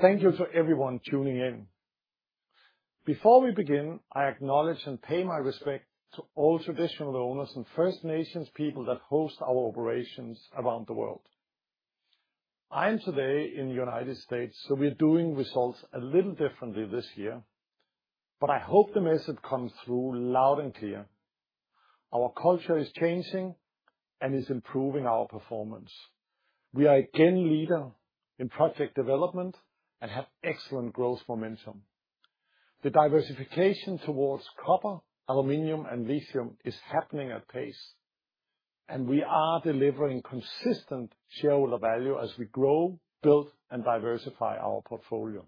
Thank you to everyone tuning in. Before we begin, I acknowledge and pay my respect to all Traditional Owners and First Nations People that host our operations around the world. I am today in the United States, so we're doing results a little differently this year, but I hope the message comes through loud and clear. Our culture is changing and is improving our performance. We are again leader in project development and have excellent growth momentum. The diversification towards copper, aluminum, and lithium is happening at pace, and we are delivering consistent shareholder value as we grow, build, and diversify our portfolio.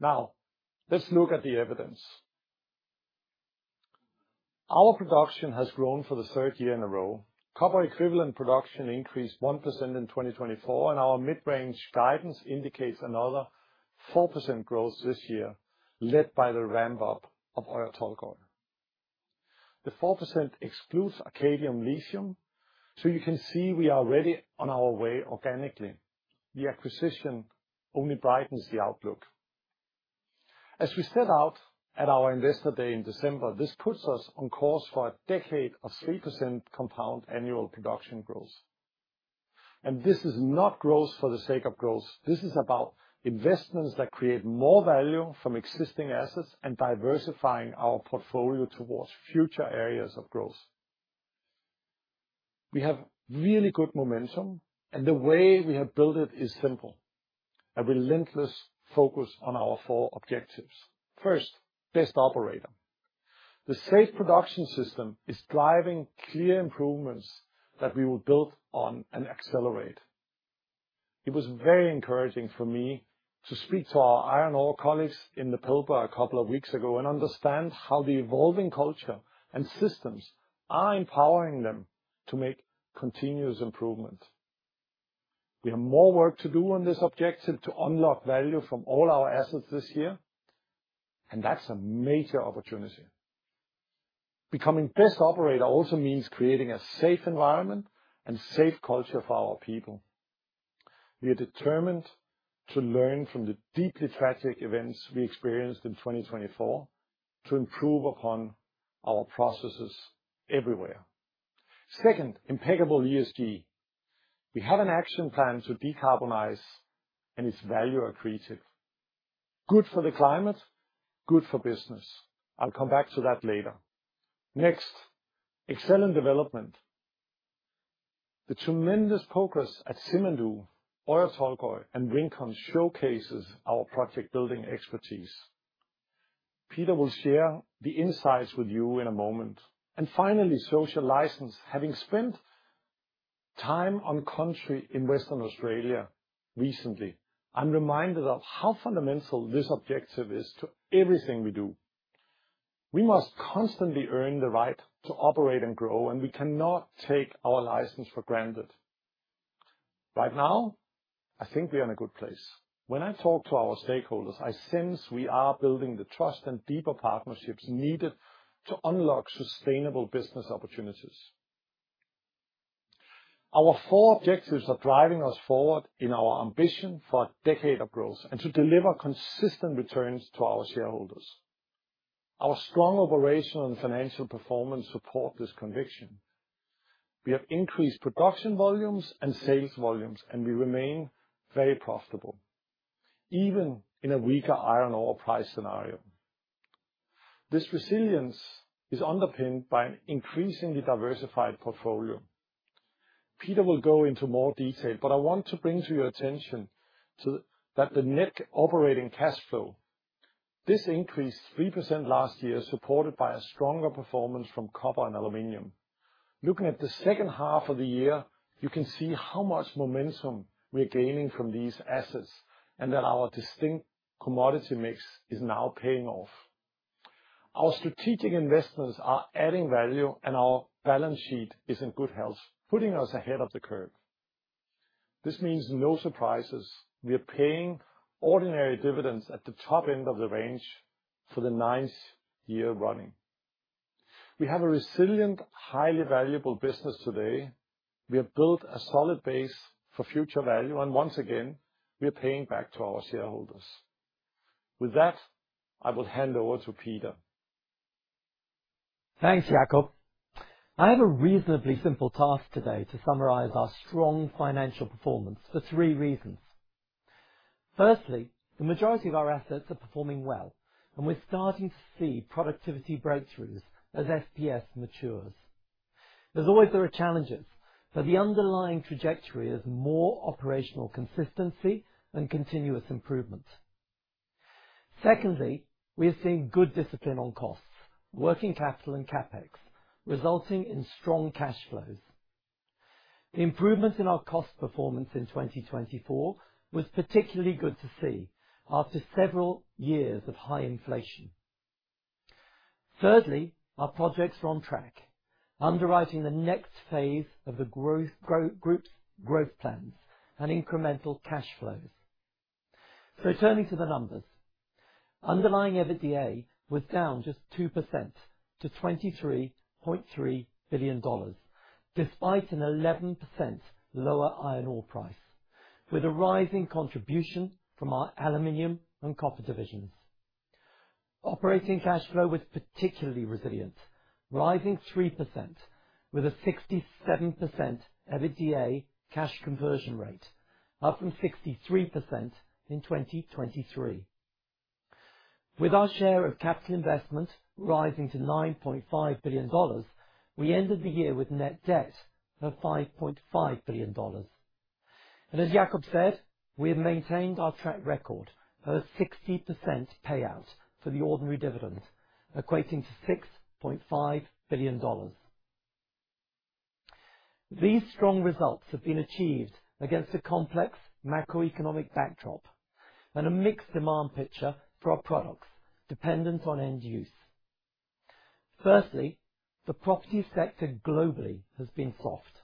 Now, let's look at the evidence. Our production has grown for the third year in a row. Copper-equivalent production increased 1% in 2024, and our mid-range guidance indicates another 4% growth this year, led by the ramp-up of our Oyu Tolgoi. The 4% excludes Arcadium Lithium, so you can see we are already on our way organically. The acquisition only brightens the outlook. As we set out at our Investor Day in December, this puts us on course for a decade of 3% compound annual production growth, and this is not growth for the sake of growth. This is about investments that create more value from existing assets and diversifying our portfolio towards future areas of growth. We have really good momentum, and the way we have built it is simple: a relentless focus on our four objectives. Best Operator. the Safe Production System is driving clear improvements that we will build on and accelerate. It was very encouraging for me to speak to our iron ore colleagues in the Pilbara a couple of weeks ago and understand how the evolving culture and systems are empowering them to make continuous improvement. We have more work to do on this objective to unlock value from all our assets this year, and that's a major opportunity. Best Operator also means creating a safe environment and safe culture for our people. We are determined to learn from the deeply tragic events we experienced in 2024 to improve upon our processes everywhere. Second, impeccable ESG. We have an action plan to decarbonize, and it's value accretive. Good for the climate, good for business. I'll come back to that later. Next, excellent development. The tremendous progress at Simandou, Oyu Tolgoi, and Bingham Canyon showcases our project-building expertise. Peter will share the insights with you in a moment. Finally, social license. Having spent time on country in Western Australia recently, I'm reminded of how fundamental this objective is to everything we do. We must constantly earn the right to operate and grow, and we cannot take our license for granted. Right now, I think we are in a good place. When I talk to our stakeholders, I sense we are building the trust and deeper partnerships needed to unlock sustainable business opportunities. Our four objectives are driving us forward in our ambition for a decade of growth and to deliver consistent returns to our shareholders. Our strong operational and financial performance support this conviction. We have increased production volumes and sales volumes, and we remain very profitable, even in a weaker iron ore price scenario. This resilience is underpinned by an increasingly diversified portfolio. Peter will go into more detail, but I want to bring to your attention that the net operating cash flow. This increased 3% last year, supported by a stronger performance from copper and aluminum. Looking at the second half of the year, you can see how much momentum we are gaining from these assets and that our distinct commodity mix is now paying off. Our strategic investments are adding value, and our balance sheet is in good health, putting us ahead of the curve. This means no surprises. We are paying ordinary dividends at the top end of the range for the ninth year running. We have a resilient, highly valuable business today. We have built a solid base for future value, and once again, we are paying back to our shareholders. With that, I will hand over to Peter. Thanks, Jakob. I have a reasonably simple task today to summarize our strong financial performance for three reasons. Firstly, the majority of our assets are performing well, and we're starting to see productivity breakthroughs as SPS matures. As always, there are challenges, but the underlying trajectory is more operational consistency and continuous improvement. Secondly, we are seeing good discipline on costs, working capital, and CapEx, resulting in strong cash flows. The improvement in our cost performance in 2024 was particularly good to see after several years of high inflation. Thirdly, our projects are on track, underwriting the next phase of the Growth Group's growth plans and incremental cash flows. So, turning to the numbers, underlying EBITDA was down just 2% to $23.3 billion, despite an 11% lower iron ore price, with a rising contribution from our aluminum and copper divisions. Operating cash flow was particularly resilient, rising 3% with a 67% EBITDA cash conversion rate, up from 63% in 2023. With our share of capital investment rising to $9.5 billion, we ended the year with net debt of $5.5 billion. As Jakob said, we have maintained our track record of a 60% payout for the ordinary dividend, equating to $6.5 billion. These strong results have been achieved against a complex macroeconomic backdrop and a mixed demand picture for our products dependent on end use. Firstly, the property sector globally has been soft.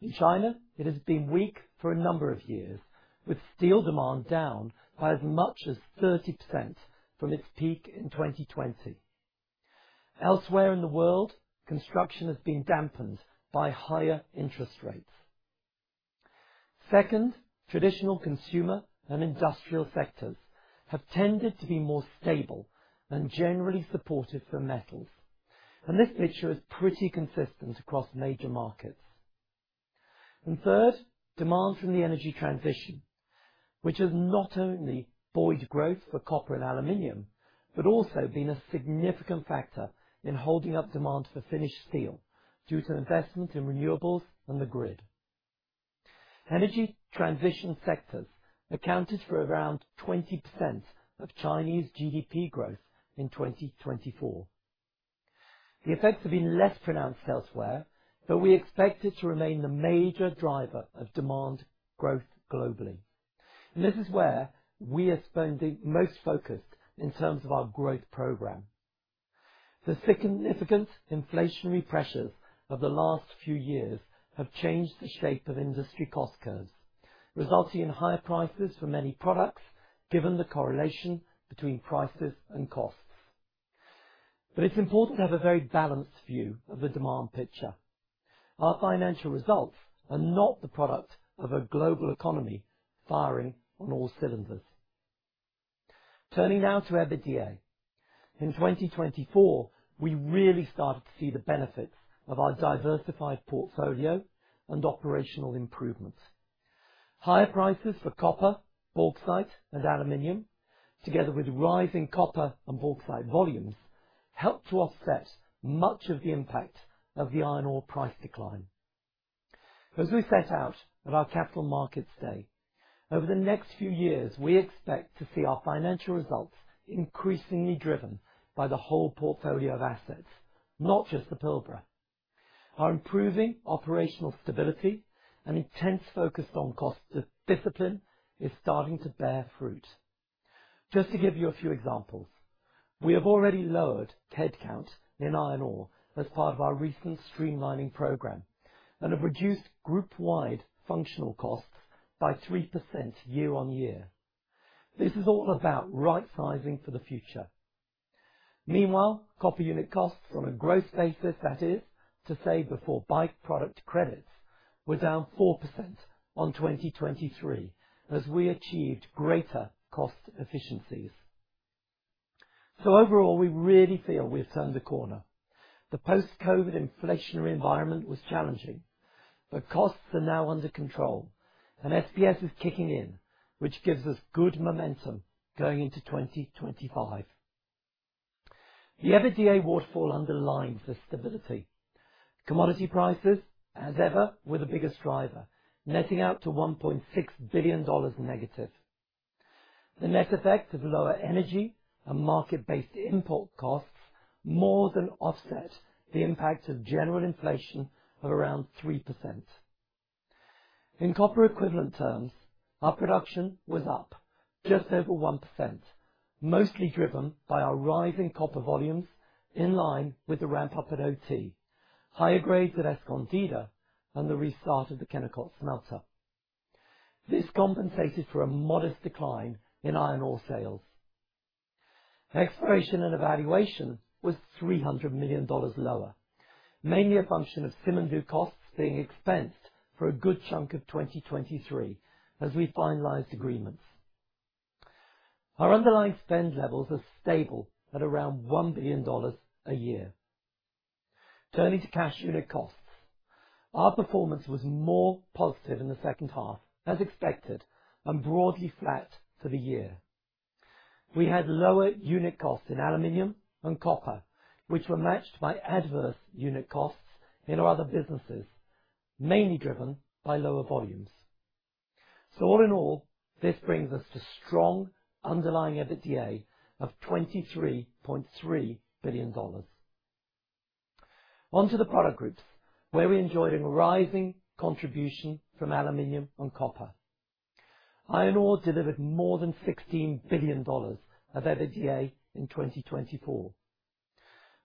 In China, it has been weak for a number of years, with steel demand down by as much as 30% from its peak in 2020. Elsewhere in the world, construction has been dampened by higher interest rates. Second, traditional consumer and industrial sectors have tended to be more stable and generally supportive for metals, and this picture is pretty consistent across major markets. And third, demand from the energy transition, which has not only buoyed growth for copper and aluminum but also been a significant factor in holding up demand for finished steel due to investment in renewables and the grid. Energy transition sectors accounted for around 20% of Chinese GDP growth in 2024. The effects have been less pronounced elsewhere, but we expect it to remain the major driver of demand growth globally. And this is where we are spending most focused in terms of our growth program. The significant inflationary pressures of the last few years have changed the shape of industry cost curves, resulting in higher prices for many products given the correlation between prices and costs. But it's important to have a very balanced view of the demand picture. Our financial results are not the product of a global economy firing on all cylinders. Turning now to EBITDA. In 2024, we really started to see the benefits of our diversified portfolio and operational improvements. Higher prices for copper, bauxite, and aluminum, together with rising copper and bauxite volumes, helped to offset much of the impact of the iron ore price decline. As we set out at our Capital Markets Day, over the next few years, we expect to see our financial results increasingly driven by the whole portfolio of assets, not just the Pilbara. Our improving operational stability and intense focus on cost discipline is starting to bear fruit. Just to give you a few examples, we have already lowered headcount in iron ore as part of our recent streamlining program and have reduced group-wide functional costs by 3% year on year. This is all about right-sizing for the future. Meanwhile, copper unit costs on a gross basis, that is to say before by-product credits, were down 4% on 2023 as we achieved greater cost efficiencies. So overall, we really feel we've turned the corner. The post-COVID inflationary environment was challenging, but costs are now under control, and SPS is kicking in, which gives us good momentum going into 2025. The EBITDA waterfall underlines this stability. Commodity prices, as ever, were the biggest driver, netting out to $1.6 billion negative. The net effect of lower energy and market-based import costs more than offset the impact of general inflation of around 3%. In copper-equivalent terms, our production was up just over 1%, mostly driven by our rising copper volumes in line with the ramp-up at OT, higher grades at Escondida, and the restart of the Kennecott smelter. This compensated for a modest decline in iron ore sales. Exploration and evaluation was $300 million lower, mainly a function of Simandou costs being expensed for a good chunk of 2023 as we finalized agreements. Our underlying spend levels are stable at around $1 billion a year. Turning to cash unit costs, our performance was more positive in the second half, as expected, and broadly flat for the year. We had lower unit costs in aluminum and copper, which were matched by adverse unit costs in our other businesses, mainly driven by lower volumes. So all in all, this brings us to strong underlying EBITDA of $23.3 billion. Onto the product groups, where we enjoyed a rising contribution from aluminum and copper. Iron ore delivered more than $16 billion of EBITDA in 2024.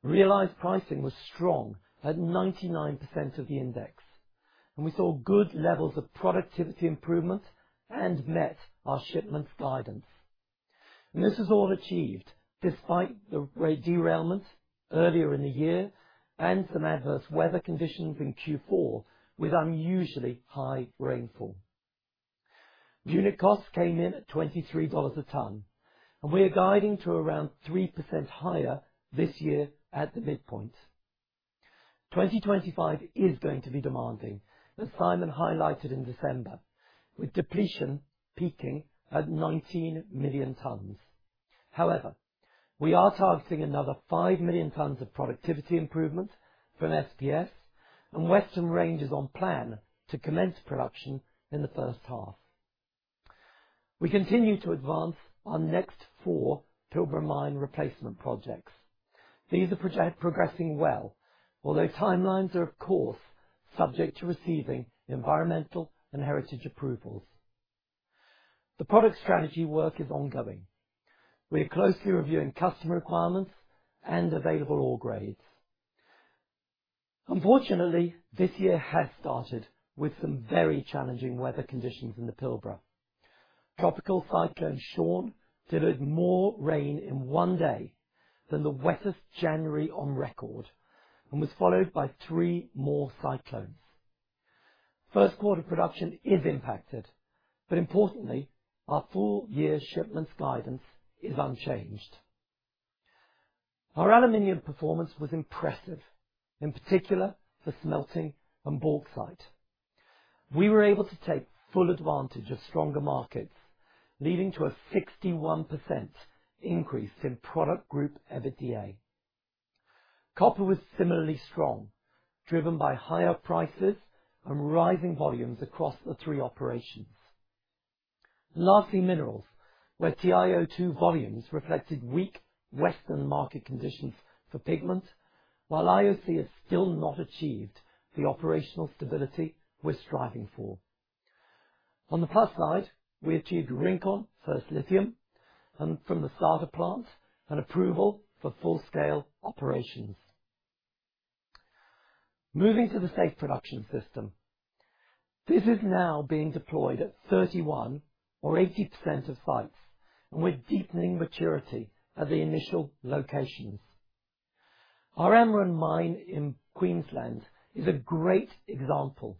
Realized pricing was strong at 99% of the index, and we saw good levels of productivity improvement and met our shipments guidance. And this was all achieved despite the rail derailment earlier in the year and some adverse weather conditions in Q4 with unusually high rainfall. Unit costs came in at $23 a ton, and we are guiding to around 3% higher this year at the midpoint. 2025 is going to be demanding, as Simon highlighted in December, with depletion peaking at 19 million tons. However, we are targeting another five million tons of productivity improvement from SPS, and Western Range is on plan to commence production in the first half. We continue to advance our next four Pilbara mine replacement projects. These are progressing well, although timelines are, of course, subject to receiving environmental and heritage approvals. The product strategy work is ongoing. We are closely reviewing customer requirements and available ore grades. Unfortunately, this year has started with some very challenging weather conditions in the Pilbara. Tropical Cyclone Sean delivered more rain in one day than the wettest January on record and was followed by three more cyclones. First quarter production is impacted, but importantly, our full-year shipments guidance is unchanged. Our aluminum performance was impressive, in particular for smelting and bauxite. We were able to take full advantage of stronger markets, leading to a 61% increase in product group EBITDA. Copper was similarly strong, driven by higher prices and rising volumes across the three operations. Lastly, minerals where TiO2 volumes reflected weak western market conditions for pigment, while IOC has still not achieved the operational stability we're striving for. On the plus side, we achieved Rincon first lithium from the starter plant and approval for full-scale operations. Moving to the Safe Production System, this is now being deployed at 31, or 80% of sites, and we're deepening maturity at the initial locations. Our Amrun mine in Queensland is a great example.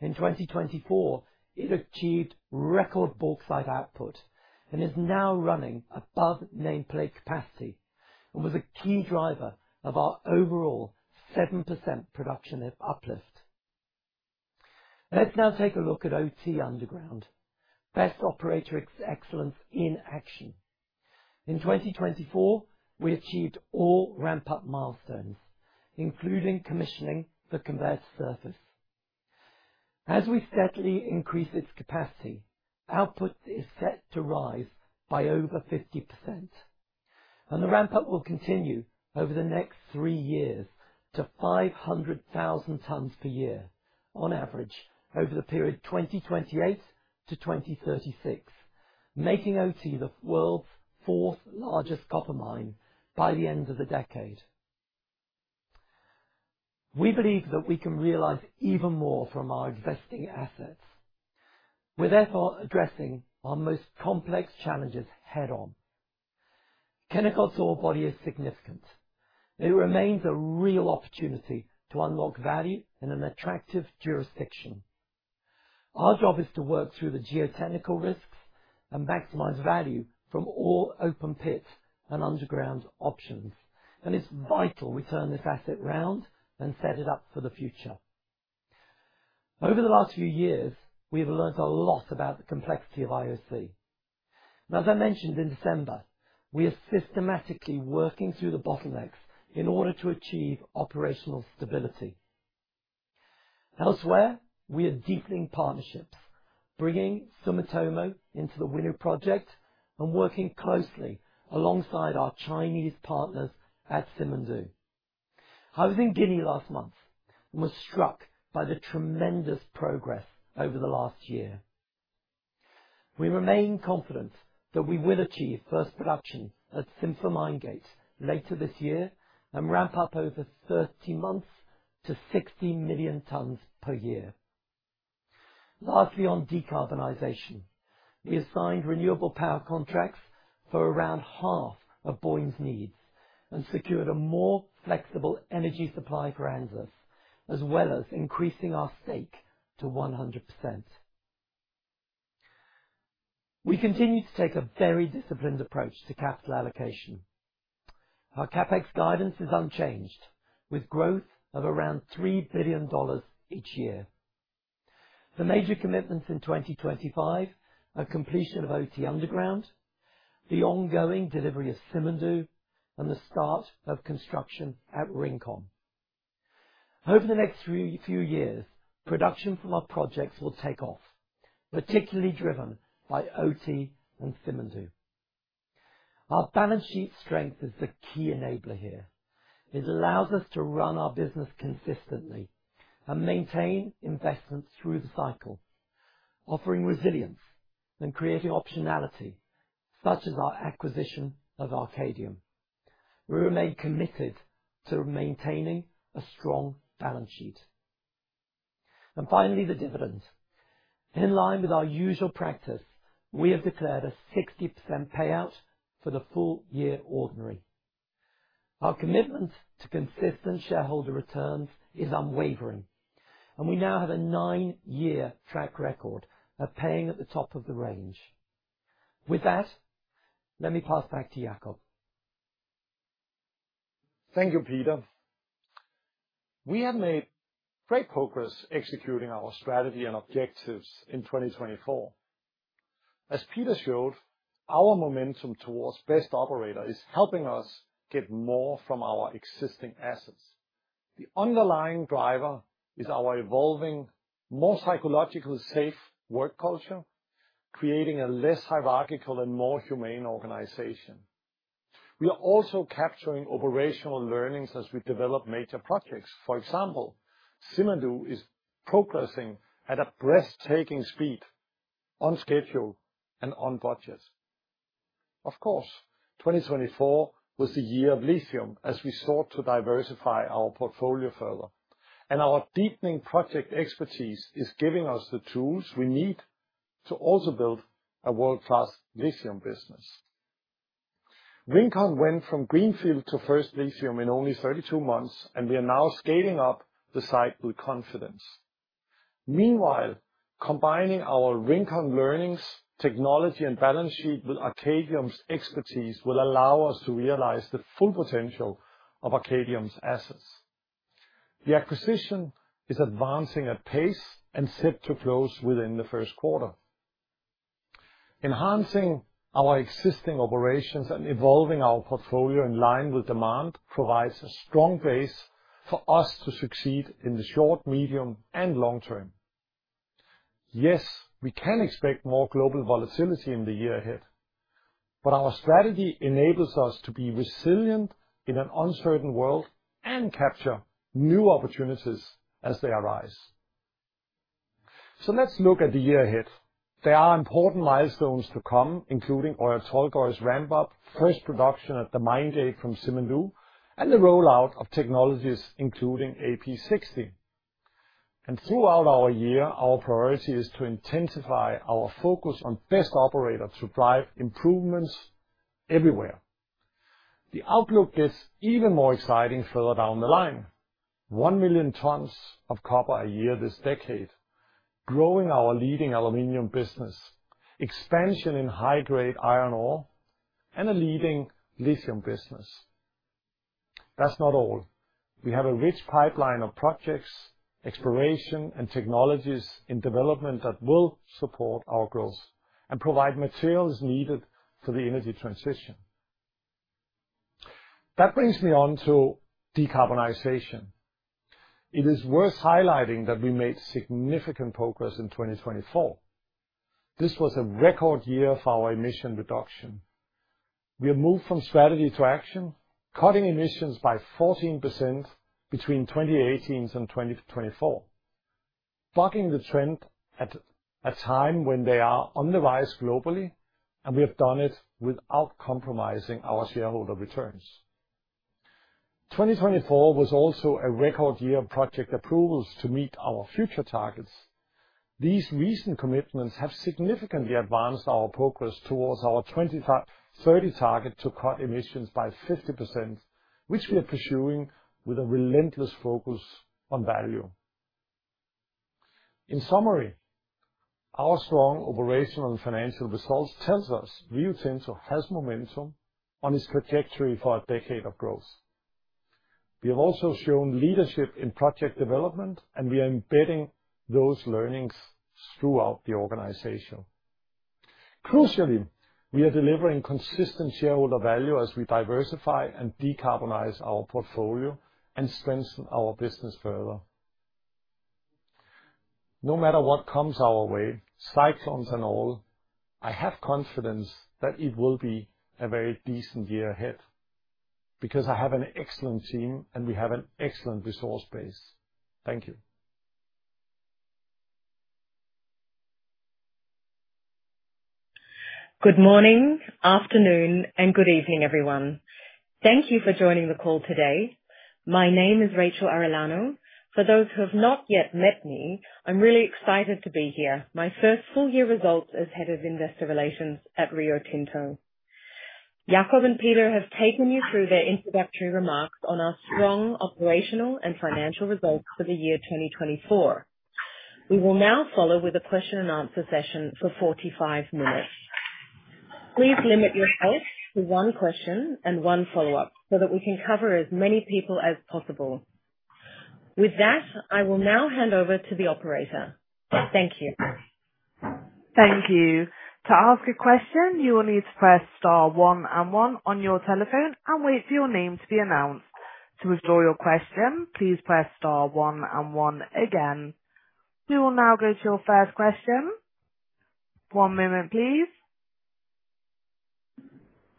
In 2024, it achieved record bauxite output and is now running above nameplate capacity and was a key driver of our overall 7% production uplift. Let's now take a look at Oyu underground, Best Operator excellence in Action. In 2024, we achieved all ramp-up milestones, including commissioning the conveyor surface. As we steadily increase its capacity, output is set to rise by over 50%. The ramp-up will continue over the next three years to 500,000 tons per year on average over the period 2028 to 2036, making OT the world's fourth largest copper mine by the end of the decade. We believe that we can realize even more from our existing assets. We're therefore addressing our most complex challenges head-on. Kennecott's ore body is significant. It remains a real opportunity to unlock value in an attractive jurisdiction. Our job is to work through the geotechnical risks and maximize value from all open pits and underground options, and it's vital we turn this asset around and set it up for the future. Over the last few years, we have learned a lot about the complexity of IOC. As I mentioned in December, we are systematically working through the bottlenecks in order to achieve operational stability. Elsewhere, we are deepening partnerships, bringing Sumitomo into the Winu project and working closely alongside our Chinese partners at Simandou. I was in Guinea last month and was struck by the tremendous progress over the last year. We remain confident that we will achieve first production at SimFer Mine Gate later this year and ramp up over 30 months to 60 million tons per year. Lastly, on decarbonization, we assigned renewable power contracts for around half of Boyne's needs and secured a more flexible energy supply for NZAS, as well as increasing our stake to 100%. We continue to take a very disciplined approach to capital allocation. Our CapEx guidance is unchanged, with growth of around $3 billion each year. The major commitments in 2025 are completion of OT Underground, the ongoing delivery of Simandou, and the start of construction at Rincon. Over the next few years, production from our projects will take off, particularly driven by OT and Simandou. Our balance sheet strength is the key enabler here. It allows us to run our business consistently and maintain investments through the cycle, offering resilience and creating optionality, such as our acquisition of Arcadium. We remain committed to maintaining a strong balance sheet. Finally, the dividend. In line with our usual practice, we have declared a 60% payout for the full-year ordinary. Our commitment to consistent shareholder returns is unwavering, and we now have a nine-year track record of paying at the top of the range. With that, let me pass back to Jakob. Thank you, Peter. We have made great progress executing our strategy and objectives in 2024. As Peter showed, our towards Best Operator is helping us get more from our existing assets. The underlying driver is our evolving, more psychologically safe work culture, creating a less hierarchical and more humane organization. We are also capturing operational learnings as we develop major projects. For example, Simandou is progressing at a breathtaking speed, on schedule and on budget. Of course, 2024 was the year of lithium as we sought to diversify our portfolio further, and our deepening project expertise is giving us the tools we need to also build a world-class lithium business. Rincon went from greenfield to first lithium in only 32 months, and we are now scaling up the site with confidence. Meanwhile, combining our Rincon learnings, technology, and balance sheet with Arcadium's expertise will allow us to realize the full potential of Arcadium's assets. The acquisition is advancing at pace and set to close within the first quarter. Enhancing our existing operations and evolving our portfolio in line with demand provides a strong base for us to succeed in the short, medium, and long term. Yes, we can expect more global volatility in the year ahead, but our strategy enables us to be resilient in an uncertain world and capture new opportunities as they arise, so let's look at the year ahead. There are important milestones to come, including Oyu Tolgoi's ramp-up, first production at the mine gate from Simandou, and the rollout of technologies including AP60. And throughout our year, our priority is to intensify our on Best Operator to drive improvements everywhere. The outlook gets even more exciting further down the line: one million tons of copper a year this decade, growing our leading aluminum business, expansion in high-grade iron ore, and a leading lithium business. That's not all. We have a rich pipeline of projects, exploration, and technologies in development that will support our growth and provide materials needed for the energy transition. That brings me on to decarbonization. It is worth highlighting that we made significant progress in 2024. This was a record year for our emission reduction. We have moved from strategy to action, cutting emissions by 14% between 2018 and 2024, bucking the trend at a time when they are on the rise globally, and we have done it without compromising our shareholder returns. 2024 was also a record year of project approvals to meet our future targets. These recent commitments have significantly advanced our progress towards our 2030 target to cut emissions by 50%, which we are pursuing with a relentless focus on value. In summary, our strong operational and financial results tell us Rio Tinto has momentum on its trajectory for a decade of growth. We have also shown leadership in project development, and we are embedding those learnings throughout the organization. Crucially, we are delivering consistent shareholder value as we diversify and decarbonize our portfolio and strengthen our business further. No matter what comes our way, cyclones and all, I have confidence that it will be a very decent year ahead because I have an excellent team and we have an excellent resource base. Thank you. Good morning, afternoon, and good evening, everyone. Thank you for joining the call today. My name is Rachel Arellano. For those who have not yet met me, I'm really excited to be here. My first full-year result as head of investor relations at Rio Tinto. Jakob and Peter have taken you through their introductory remarks on our strong operational and financial results for the year 2024. We will now follow with a question-and-answer session for 45 minutes. Please limit yourself to one question and one follow-up so that we can cover as many people as possible. With that, I will now hand over to the operator. Thank you. Thank you. To ask a question, you will need to press star one and one on your telephone and wait for your name to be announced. To withdraw your question, please press star one and one again. We will now go to your first question. One moment, please.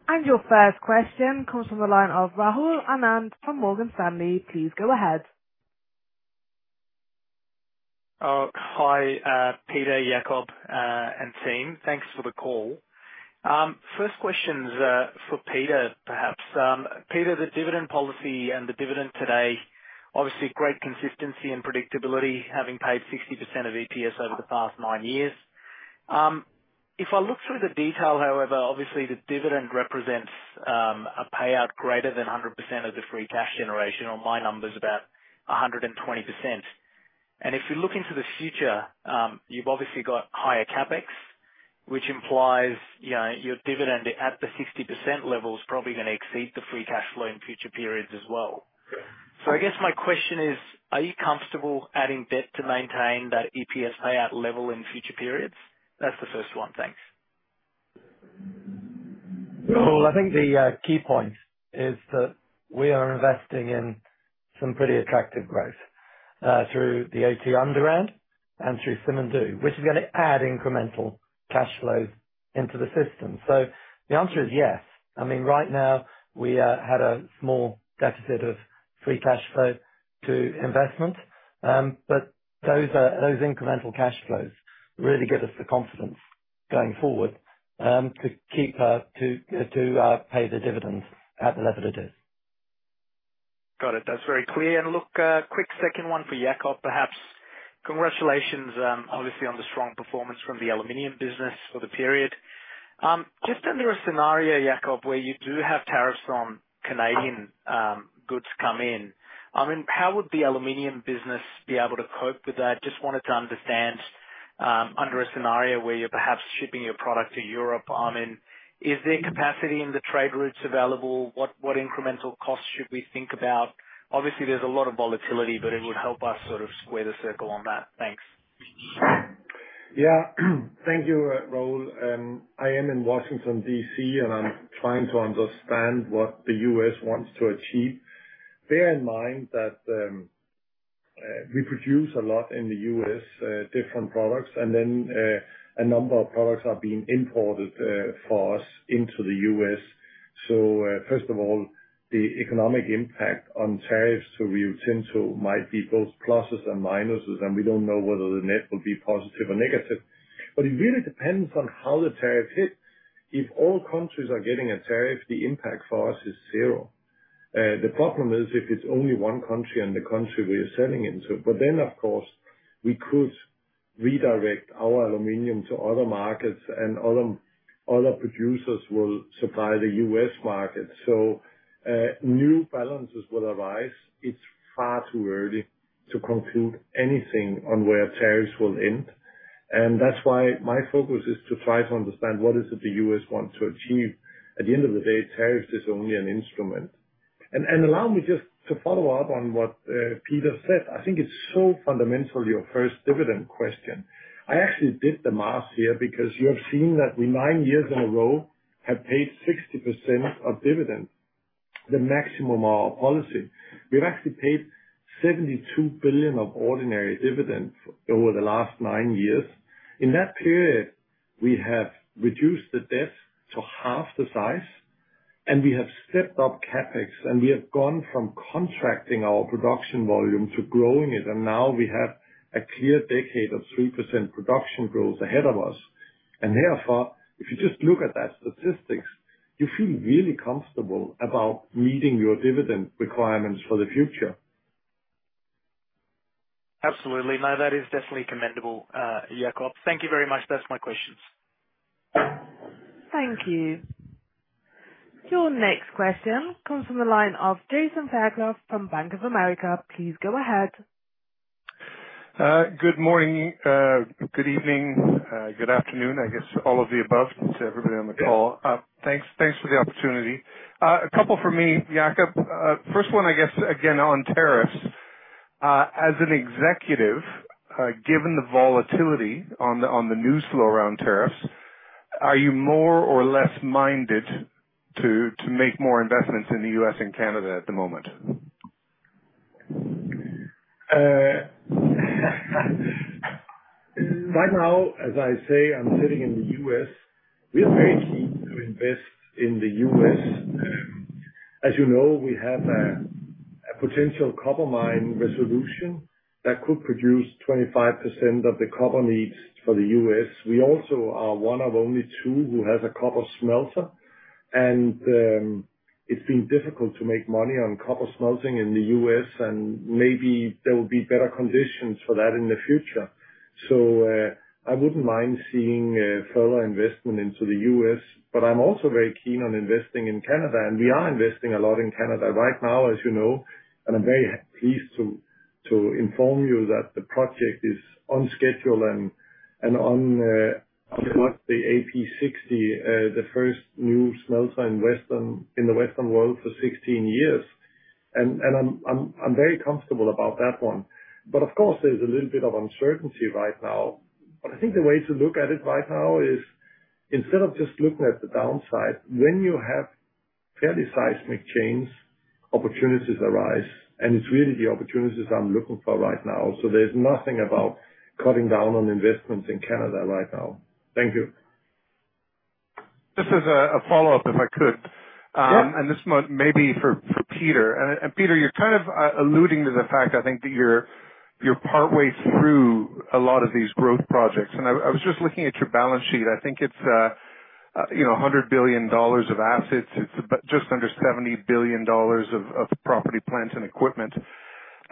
And your first question comes from the line of Rahul Anand from Morgan Stanley. Please go ahead. Hi, Peter, Jakob, and team. Thanks for the call. First question's for Peter, perhaps. Peter, the dividend policy and the dividend today, obviously great consistency and predictability, having paid 60% of EPS over the past nine years. If I look through the detail, however, obviously the dividend represents a payout greater than 100% of the free cash generation, or my numbers about 120%. And if we look into the future, you've obviously got higher CapEx, which implies your dividend at the 60% level is probably going to exceed the free cash flow in future periods as well. So I guess my question is, are you comfortable adding debt to maintain that EPS payout level in future periods? That's the first one. Thanks. Well, I think the key point is that we are investing in some pretty attractive growth through the OT Underground and through Simandou, which is going to add incremental cash flows into the system. So, the answer is yes. I mean, right now, we had a small deficit of free cash flow to investment, but those incremental cash flows really give us the confidence going forward to keep to pay the dividends at the level it is. Got it. That's very clear. And look, quick second one for Jakob, perhaps. Congratulations, obviously, on the strong performance from the aluminum business for the period. Just under a scenario, Jakob, where you do have tariffs on Canadian goods come in, I mean, how would the aluminum business be able to cope with that? Just wanted to understand under a scenario where you're perhaps shipping your product to Europe, I mean, is there capacity in the trade routes available? What incremental costs should we think about? Obviously, there's a lot of volatility, but it would help us sort of square the circle on that. Thanks. Yeah. Thank you, Rahul. I am in Washington, D.C., and I'm trying to understand what the U.S. wants to achieve. Bear in mind that we produce a lot in the U.S., different products, and then a number of products are being imported for us into the U.S. So, first of all, the economic impact on tariffs to Rio Tinto might be both pluses and minuses, and we don't know whether the net will be positive or negative, but it really depends on how the tariffs hit. If all countries are getting a tariff, the impact for us is zero. The problem is if it's only one country and the country we are selling into, but then, of course, we could redirect our aluminum to other markets, and other producers will supply the U.S. market. So, new balances will arise. It's far too early to conclude anything on where tariffs will end. And that's why my focus is to try to understand what is it the U.S. wants to achieve. At the end of the day, tariffs is only an instrument. And allow me just to follow up on what Peter said. I think it's so fundamental, your first dividend question. I actually did the math here because you have seen that we nine years in a row have paid 60% of dividend, the maximum of our policy. We've actually paid $72 billion of ordinary dividend over the last nine years. In that period, we have reduced the debt to half the size, and we have stepped up CapEx, and we have gone from contracting our production volume to growing it. And now we have a clear decade of 3% production growth ahead of us. And therefore, if you just look at that statistics, you feel really comfortable about meeting your dividend requirements for the future. Absolutely. No, that is definitely commendable, Jakob. Thank you very much. That's my questions. Thank you. Your next question comes from the line of Jason Fairclough from Bank of America. Please go ahead. Good morning, good evening, good afternoon, I guess all of the above to everybody on the call. Thanks for the opportunity. A couple for me, Jakob. First one, I guess, again, on tariffs. As an executive, given the volatility on the news flow around tariffs, are you more or less minded to make more investments in the U.S. and Canada at the moment? Right now, as I say, I'm sitting in the U.S. We are very keen to invest in the U.S. As you know, we have a potential copper mine Resolution that could produce 25% of the copper needs for the U.S. We also are one of only two who has a copper smelter, and it's been difficult to make money on copper smelting in the U.S., and maybe there will be better conditions for that in the future. So, I wouldn't mind seeing further investment into the U.S. But I'm also very keen on investing in Canada, and we are investing a lot in Canada right now, as you know, and I'm very pleased to inform you that the project is on schedule and on the AP60, the first new smelter in the Western world for 16 years. And I'm very comfortable about that one. But of course, there's a little bit of uncertainty right now. But I think the way to look at it right now is instead of just looking at the downside, when you have fairly seismic changes, opportunities arise, and it's really the opportunities I'm looking for right now. So there's nothing about cutting down on investments in Canada right now. Thank you. Just as a follow-up, if I could, and this one may be for Peter, and Peter, you're kind of alluding to the fact I think that you're partway through a lot of these growth projects, and I was just looking at your balance sheet. I think it's $100 billion of assets. It's just under $70 billion of property, plants, and equipment.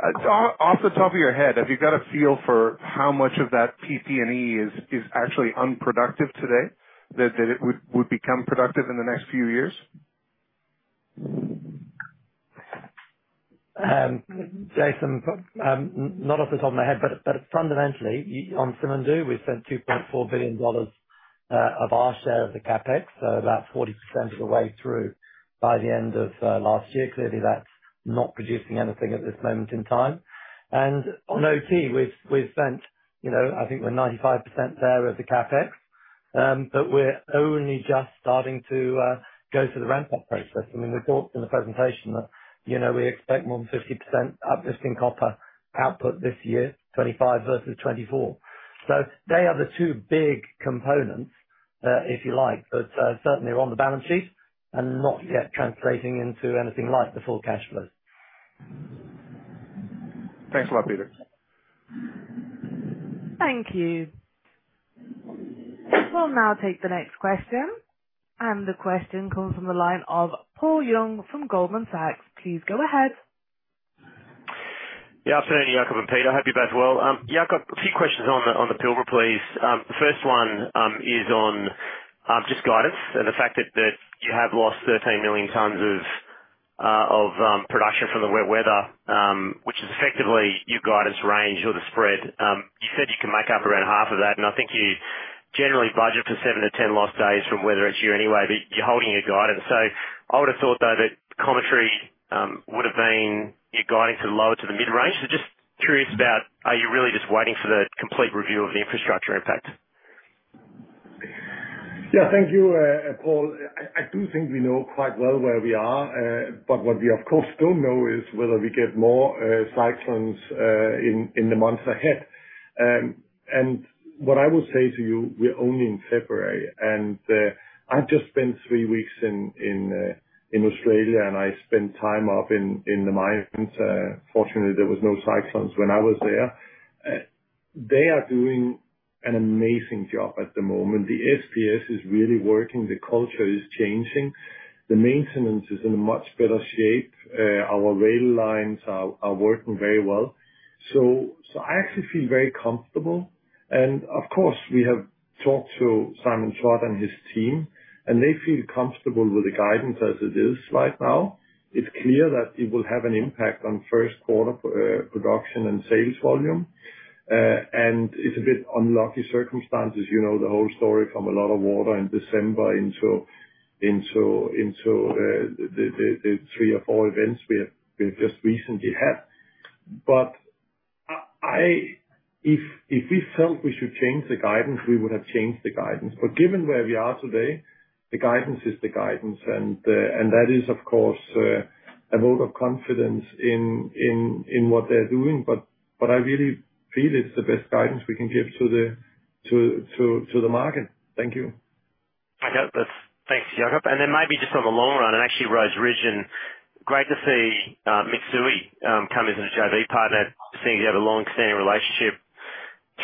Off the top of your head, have you got a feel for how much of that PP&E is actually unproductive today that it would become productive in the next few years? Jason, not off the top of my head, but fundamentally, on Simandou, we've spent $2.4 billion of our share of the CapEx, so about 40% of the way through by the end of last year. Clearly, that's not producing anything at this moment in time. And on OT, we've spent, I think we're 95% there of the CapEx, but we're only just starting to go through the ramp-up process. I mean, we talked in the presentation that we expect more than 50% uplifting copper output this year, 2025 versus 2024. So, they are the two big components, if you like, but certainly on the balance sheet and not yet translating into anything like the full cash flows. Thanks a lot, Peter. Thank you. We'll now take the next question. And the question comes from the line of Paul Young from Goldman Sachs. Please go ahead. Yeah. Absolutely, Jakob and Peter. Hope you're both well. Jakob, a few questions on the Pilbara, please. The first one is on just guidance and the fact that you have lost 13 million tons of production from the wet weather, which is effectively your guidance range or the spread. You said you can make up around half of that, and I think you generally budget for seven to 10 lost days from weather each year anyway, but you're holding your guidance. So, I would have thought, though, that commentary would have been your guidance at the lower to the mid-range. So, just curious about, are you really just waiting for the complete review of the infrastructure impact? Yeah. Thank you, Paul. I do think we know quite well where we are, but what we, of course, don't know is whether we get more cyclones in the months ahead. What I will say to you, we're only in February, and I've just spent three weeks in Australia, and I spent time up in the mines. Fortunately, there were no cyclones when I was there. They are doing an amazing job at the moment. The SPS is really working. The culture is changing. The maintenance is in much better shape. Our rail lines are working very well. So, I actually feel very comfortable. Of course, we have talked to Simon Trott and his team, and they feel comfortable with the guidance as it is right now. It's clear that it will have an impact on first-quarter production and sales volume. It's a bit unlucky circumstances. You know the whole story from a lot of water in December into the three or four events we have just recently had. But if we felt we should change the guidance, we would have changed the guidance. But given where we are today, the guidance is the guidance. And that is, of course, a vote of confidence in what they're doing. But I really feel it's the best guidance we can give to the market. Thank you. I got this. Thanks, Jakob. And then maybe just on the long run, and actually, Rhodes Ridge and great to see Mitsui come as a JV partner, seeing as you have a long-standing relationship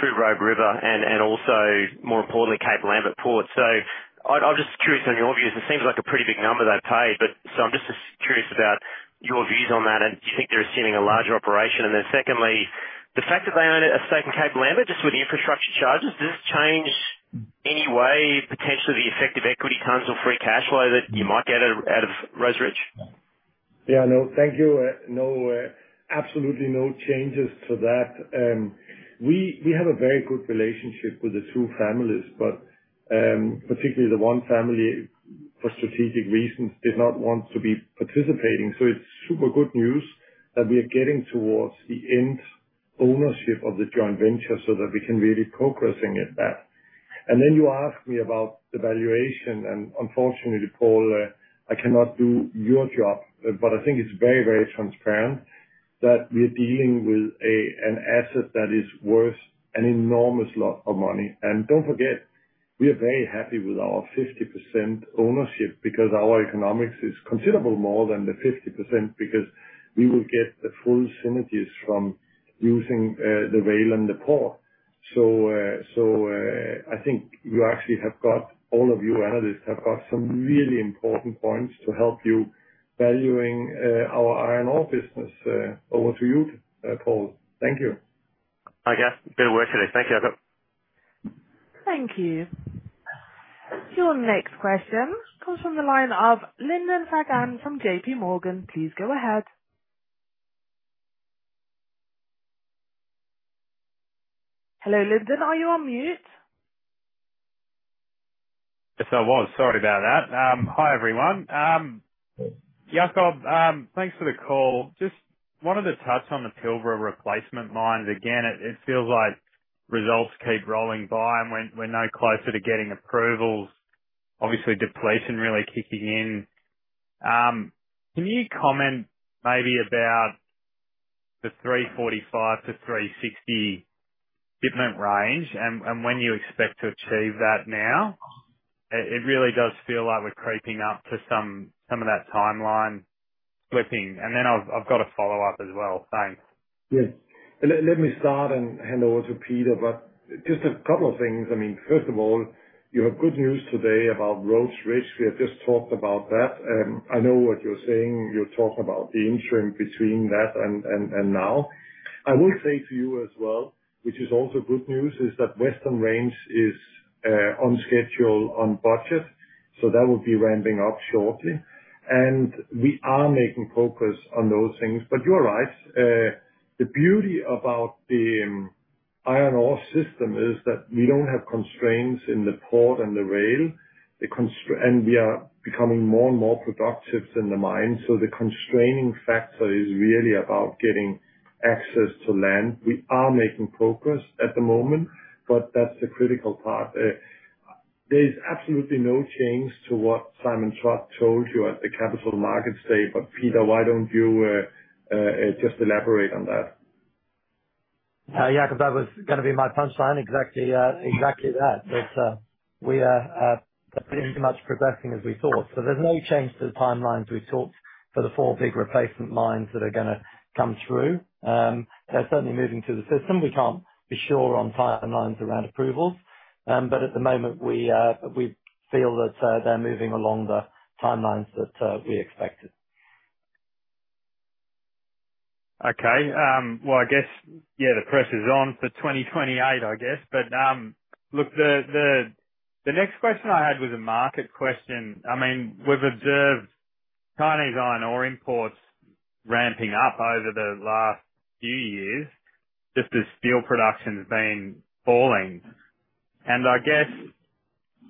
through Robe River. And also, more importantly, Cape Lambert port. So, I'm just curious on your views. It seems like a pretty big number they paid, but so I'm just curious about your views on that, and do you think they're assuming a larger operation? And then secondly, the fact that they own a stake in Cape Lambert just with infrastructure charges, does this change any way, potentially, the effective equity tons or free cash flow that you might get out of Rhodes Ridge? Yeah. No, thank you. Absolutely no changes to that. We have a very good relationship with the two families, but particularly the one family for strategic reasons did not want to be participating. So, it's super good news that we are getting towards 100% ownership of the joint venture so that we can really progress in that. Then you asked me about the valuation, and unfortunately, Paul, I cannot do your job, but I think it's very, very transparent that we are dealing with an asset that is worth an enormous lot of money. Don't forget, we are very happy with our 50% ownership because our economics is considerably more than the 50% because we will get the full synergies from using the rail and the port. So, I think you actually have got all of your analysts have got some really important points to help you valuing our iron ore business. Over to you, Paul. Thank you. I guess. Good work today. Thank you, Jakob. Thank you. Your next question comes from the line of Lyndon Fagan from JPMorgan. Please go ahead. Hello, Lyndon. Are you on mute? Yes, I was. Sorry about that. Hi, everyone. Jakob, thanks for the call. Just wanted to touch on the Pilbara replacement mines. Again, it feels like results keep rolling by, and we're no closer to getting approvals. Obviously, depletion really kicking in. Can you comment maybe about the 345-360 shipment range and when you expect to achieve that now? It really does feel like we're creeping up to some of that timeline slipping. And then I've got a follow-up as well. Thanks. Yes. Let me start and hand over to Peter, but just a couple of things. I mean, first of all, you have good news today about Rhodes Ridge. We have just talked about that. I know what you're saying. You're talking about the interim between that and now. I will say to you as well, which is also good news, is that Western Range is on schedule on budget, so that will be ramping up shortly. And we are making focus on those things. But you're right. The beauty about the iron ore system is that we don't have constraints in the port and the rail, and we are becoming more and more productive than the mine. So, the constraining factor is really about getting access to land. We are making progress at the moment, but that's the critical part. There is absolutely no change to what Simon Trott told you at the Capital Markets Day. But Peter, why don't you just elaborate on that? Yeah. Because that was going to be my punchline. Exactly that. But we are pretty much progressing as we thought. So, there's no change to the timelines we talked for the four big replacement mines that are going to come through. They're certainly moving to the system. We can't be sure on timelines around approvals. But at the moment, we feel that they're moving along the timelines that we expected. Okay. Well, I guess, yeah, the pressure's on for 2028, I guess. But look, the next question I had was a market question. I mean, we've observed Chinese iron ore imports ramping up over the last few years, just as steel production's been falling. And I guess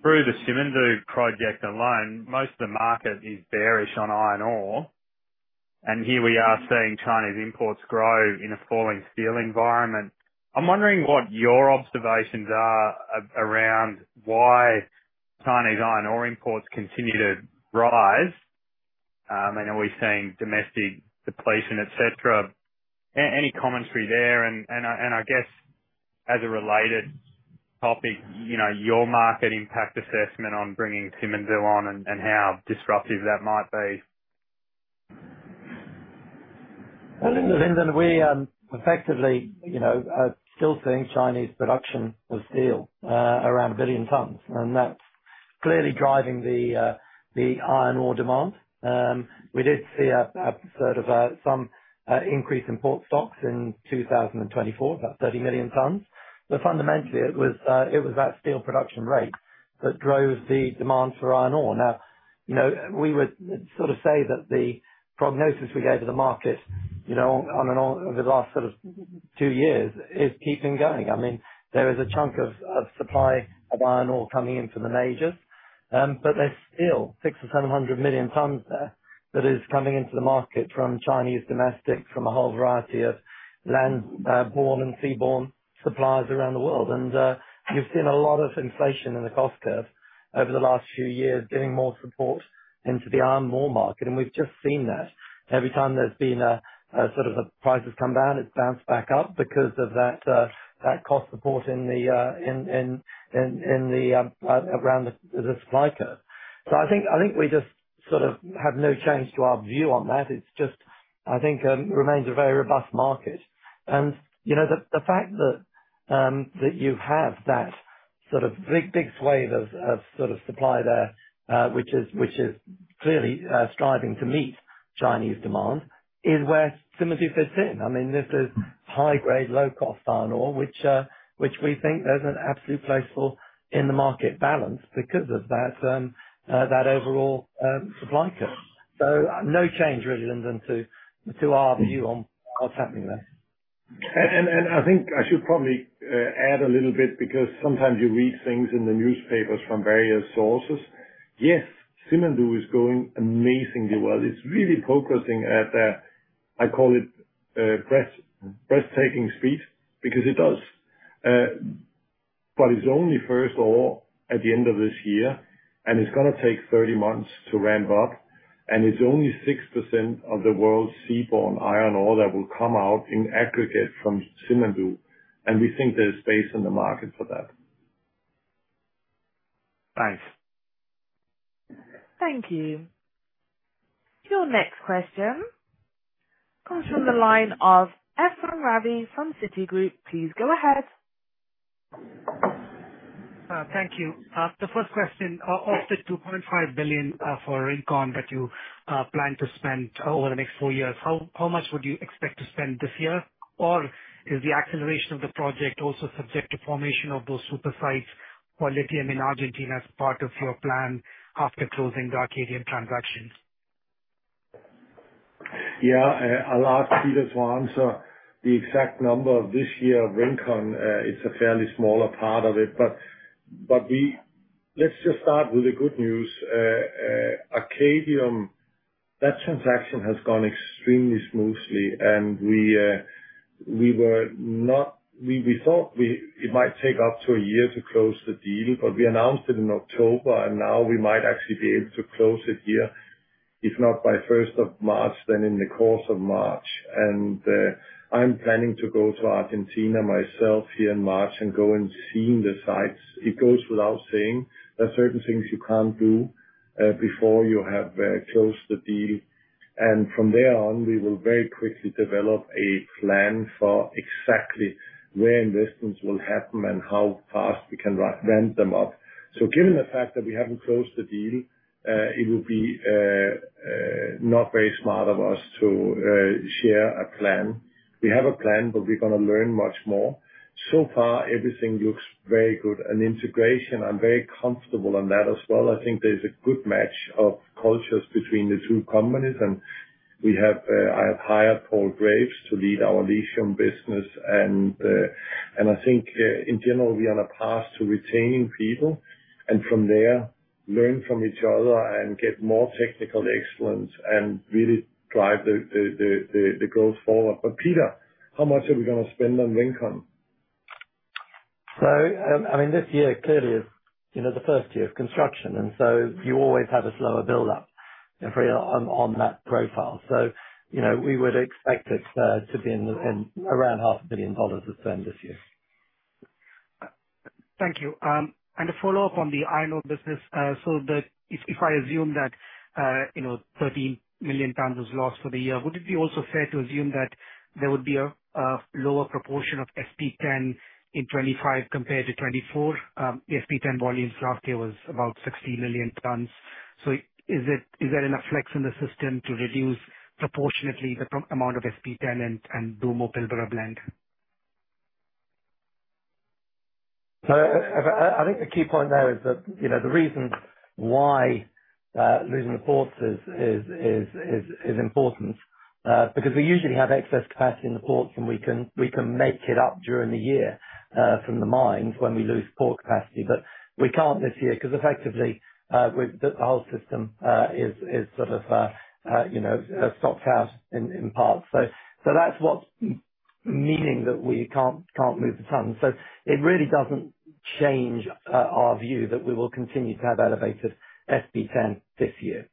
through the Simandou project alone, most of the market is bearish on iron ore. And here we are seeing Chinese imports grow in a falling steel environment. I'm wondering what your observations are around why Chinese iron ore imports continue to rise. I mean, are we seeing domestic depletion, etc.? Any commentary there? And I guess as a related topic, your market impact assessment on bringing Simandou on and how disruptive that might be? Well, Lyndon, we effectively are still seeing Chinese production of steel around a billion tons, and that's clearly driving the iron ore demand. We did see a sort of some increase in port stocks in 2024, about 30 million tons. But fundamentally, it was that steel production rate that drove the demand for iron ore. Now, we would sort of say that the prognosis we gave to the market over the last sort of two years is keeping going. I mean, there is a chunk of supply of iron ore coming in from the majors, but there's still 600-700 million tons there that is coming into the market from Chinese domestic, from a whole variety of land-borne and seaborne suppliers around the world. And you've seen a lot of inflation in the cost curve over the last few years getting more support into the iron ore market. And we've just seen that. Every time there's been a sort of a prices come down, it's bounced back up because of that cost support in and around the supply curve. So, I think we just sort of have no change to our view on that. It's just, I think, remains a very robust market. And the fact that you have that sort of big, big swathe of sort of supply there, which is clearly striving to meet Chinese demand, is where Simandou fits in. I mean, this is high-grade, low-cost iron ore, which we think there's an absolute place for in the market balance because of that overall supply curve. So, no change, really, Lyndon, to our view on what's happening there. And I think I should probably add a little bit because sometimes you read things in the newspapers from various sources. Yes, Simandou is going amazingly well. It's really focusing at, I call it, breathtaking speed because it does. But it's only first ore at the end of this year, and it's going to take 30 months to ramp up. And it's only 6% of the world's seaborne iron ore that will come out in aggregate from Simandou. And we think there's space in the market for that. Thanks. Thank you. Your next question comes from the line of Ephrem Ravi from Citigroup. Please go ahead. Thank you. The first question: of the $2.5 billion for Rincon that you plan to spend over the next four years, how much would you expect to spend this year? Or is the acceleration of the project also subject to formation of those super sites for lithium in Argentina as part of your plan after closing the Arcadium transaction? Yeah. I'll ask Peter to answer the exact number of this year of Rincon; it's a fairly smaller part of it. But let's just start with the good news. Arcadium, that transaction has gone extremely smoothly, and we were not we thought it might take up to a year to close the deal, but we announced it in October, and now we might actually be able to close it here, if not by 1st of March, then in the course of March. I'm planning to go to Argentina myself here in March and go and see the sites. It goes without saying there are certain things you can't do before you have closed the deal. From there on, we will very quickly develop a plan for exactly where investments will happen and how fast we can ramp them up. So, given the fact that we haven't closed the deal, it will be not very smart of us to share a plan. We have a plan, but we're going to learn much more. So far, everything looks very good. And integration, I'm very comfortable on that as well. I think there's a good match of cultures between the two companies. And I have hired Paul Graves to lead our lithium business. And I think, in general, we are on a path to retaining people and from there, learn from each other and get more technical excellence and really drive the growth forward. But Peter, how much are we going to spend on Rincon? So I mean, this year clearly is the first year of construction, and so you always have a slower build-up on that profile. We would expect it to be around $500 million at the end of this year. Thank you. A follow-up on the iron ore business. If I assume that 13 million tons is lost for the year, would it be also fair to assume that there would be a lower proportion of SP10 in 2025 compared to 2024? The SP10 volume last year was about 16 million tons. Is there enough flex in the system to reduce proportionately the amount of SP10 and do more Pilbara Blend? I think the key point there is that the reason why losing the ports is important because we usually have excess capacity in the ports, and we can make it up during the year from the mines when we lose port capacity. But we can't this year because effectively, the whole system is sort of stopped out in parts. So, that's what's meaning that we can't move the tons. So, it really doesn't change our view that we will continue to have elevated SP10 this year.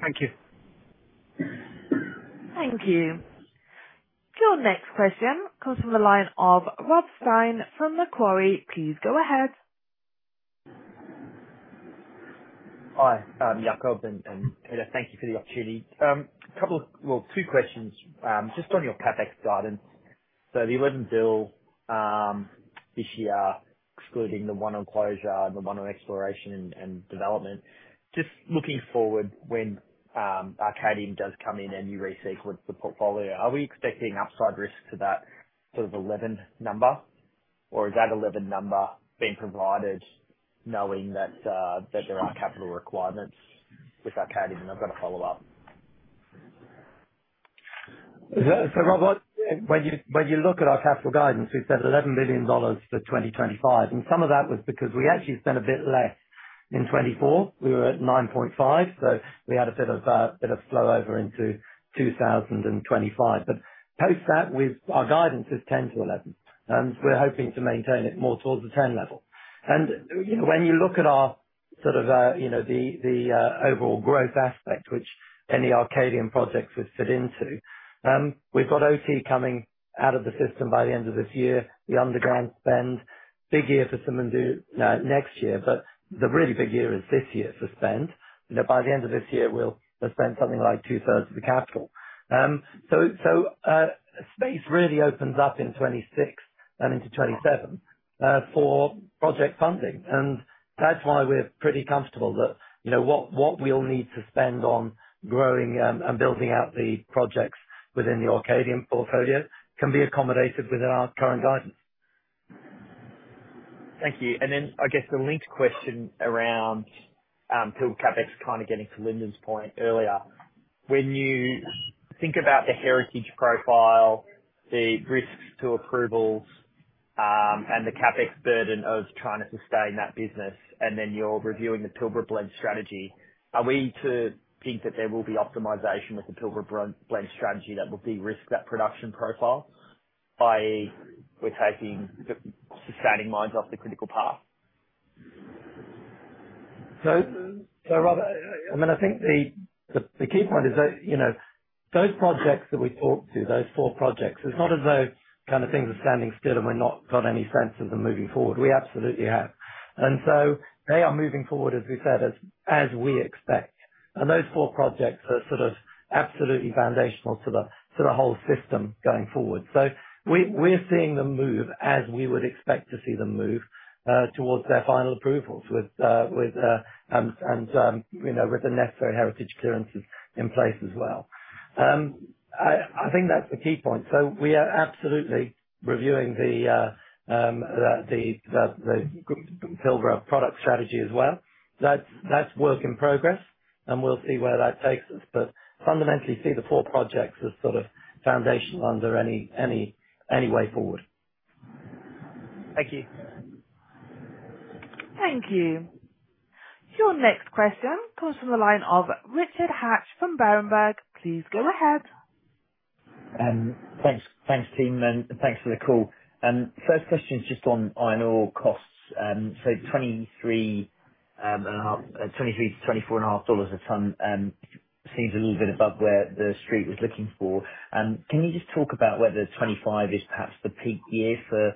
Thank you. Thank you. Your next question comes from the line of Rob Stein from Macquarie. Please go ahead. Hi. Jakob, and thank you for the opportunity. A couple of, well, two questions just on your CapEx guidance. So the $11 billion this year, excluding the $1 billion on closure and the $1 billion on exploration and development. Just looking forward when Arcadium does come in and you resequence the portfolio, are we expecting upside risk to that sort of $11 billion number? Or is that $11 billion number being provided knowing that there are capital requirements with Arcadium? And I've got a follow-up. So, Rob, when you look at our capital guidance, we've spent $11 billion for 2025. And some of that was because we actually spent a bit less in 2024. We were at 9.5, so we had a bit of flow over into 2025. But post that, our guidance is 10 to 11. And we're hoping to maintain it more towards the 10 level. And when you look at our sort of the overall growth aspect, which any Arcadium projects would fit into, we've got OT coming out of the system by the end of this year, the underground spend. Big year for Simandou next year, but the really big year is this year for spend. By the end of this year, we'll have spent something like 2/3 of the capital. So, space really opens up in 2026 and into 2027 for project funding. That's why we're pretty comfortable that what we'll need to spend on growing and building out the projects within the Arcadium portfolio can be accommodated within our current guidance. Thank you. Then I guess the linked question around Pilbara CapEx kind of getting to Lyndon's point earlier. When you think about the heritage profile, the risks to approvals, and the CapEx burden of trying to sustain that business, and then you're reviewing the Pilbara Blend strategy, are we to think that there will be optimization with the Pilbara Blend strategy that will de-risk that production profile by sustaining mines off the critical path? So Rob, I mean, I think the key point is that those projects that we talked to, those four projects, it's not as though kind of things are standing still and we've not got any senses of moving forward. We absolutely have. And so they are moving forward, as we said, as we expect. And those four projects are sort of absolutely foundational to the whole system going forward. So, we're seeing them move as we would expect to see them move towards their final approvals and with the necessary heritage clearances in place as well. I think that's the key point. So, we are absolutely reviewing the Pilbara product strategy as well. That's work in progress, and we'll see where that takes us. But fundamentally, see the four projects as sort of foundational under any way forward. Thank you. Thank you. Your next question comes from the line of Richard Hatch from Berenberg. Please go ahead. Thanks, team. And thanks for the call. First question is just on iron ore costs. So, $23-$24.5/tonne seems a little bit above where the street was looking for. Can you just talk about whether 2025 is perhaps the peak year for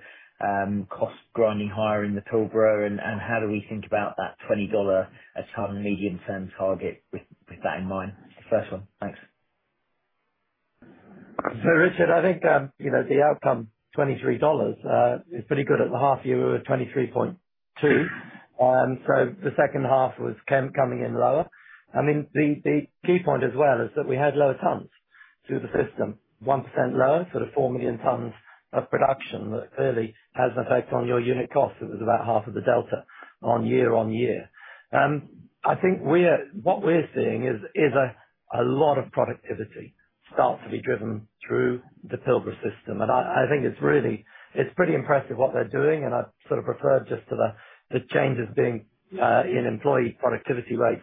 cost grinding higher in the Pilbara, and how do we think about that $20/tonne medium-term target with that in mind? First one. Thanks. So Richard, I think the outcome, $23, is pretty good. At the half year, we were $23.2. So, the second half was coming in lower. I mean, the key point as well is that we had lower tons through the system, 1% lower, sort of 4 million tons of production that clearly has an effect on your unit cost. It was about half of the delta on year on year. I think what we're seeing is a lot of productivity starts to be driven through the Pilbara system. I think it's pretty impressive what they're doing. I sort of referred just to the changes in employee productivity rates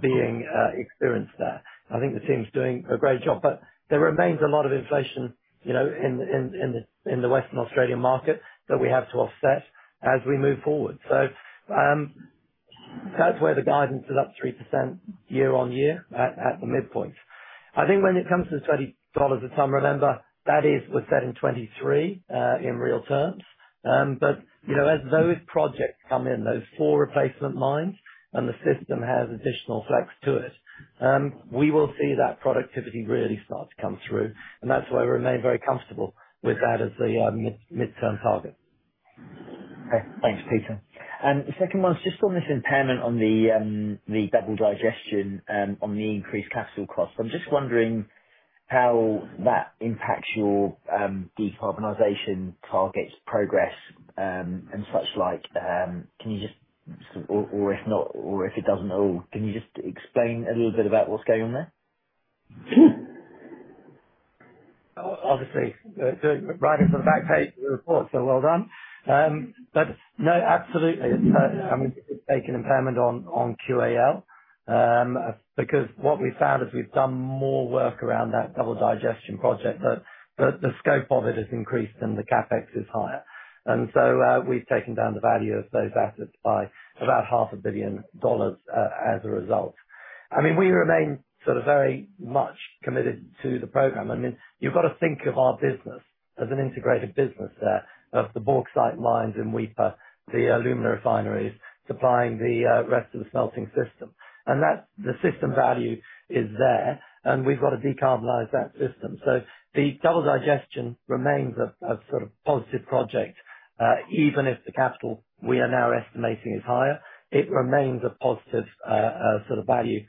being experienced there. I think the team's doing a great job. But there remains a lot of inflation in the Western Australian market that we have to offset as we move forward. So, that's where the guidance is up 3% year on year at the midpoint. I think when it comes to the $20 a tonne, remember, that is, we're set in 2023 in real terms. But as those projects come in, those four replacement mines, and the system has additional flex to it, we will see that productivity really start to come through. And that's why we remain very comfortable with that as the midterm target. Okay. Thanks, Peter. And the second one's just on this impairment on the Double Digestion on the increased capital costs. I'm just wondering how that impacts your decarbonization targets, progress, and such like. Can you just, or if not, or if it doesn't at all, can you just explain a little bit about what's going on there? Obviously, writing for the back page of the report, so well done. But no, absolutely. I mean, it's taken impairment on QAL because what we found is we've done more work around that Double Digestion project, but the scope of it has increased and the CapEx is higher. And so, we've taken down the value of those assets by about $500 million as a result. I mean, we remain sort of very much committed to the program. I mean, you've got to think of our business as an integrated business there of the bauxite mines in Weipa, the alumina refineries supplying the rest of the smelting system. And the system value is there, and we've got to decarbonize that system. So, the Double Digestion remains a sort of positive project, even if the capital we are now estimating is higher. It remains a positive sort of value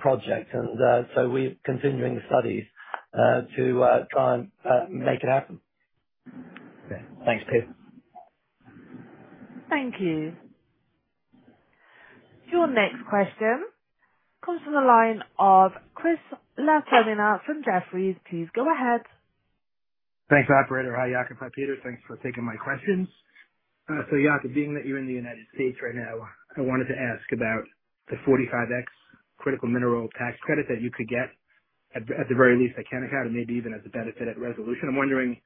project. And so, we're continuing studies to try and make it happen. Thanks, Peter. Thank you. Your next question comes from the line of Chris LaFemina from Jefferies. Please go ahead. Thanks, Operator. Hi, Jakob. Hi, Peter. Thanks for taking my questions. So Jakob, being that you're in the United States right now, I wanted to ask about the 45X critical mineral tax credit that you could get, at the very least, at Kennecott or maybe even as a benefit at Resolution. I'm wondering,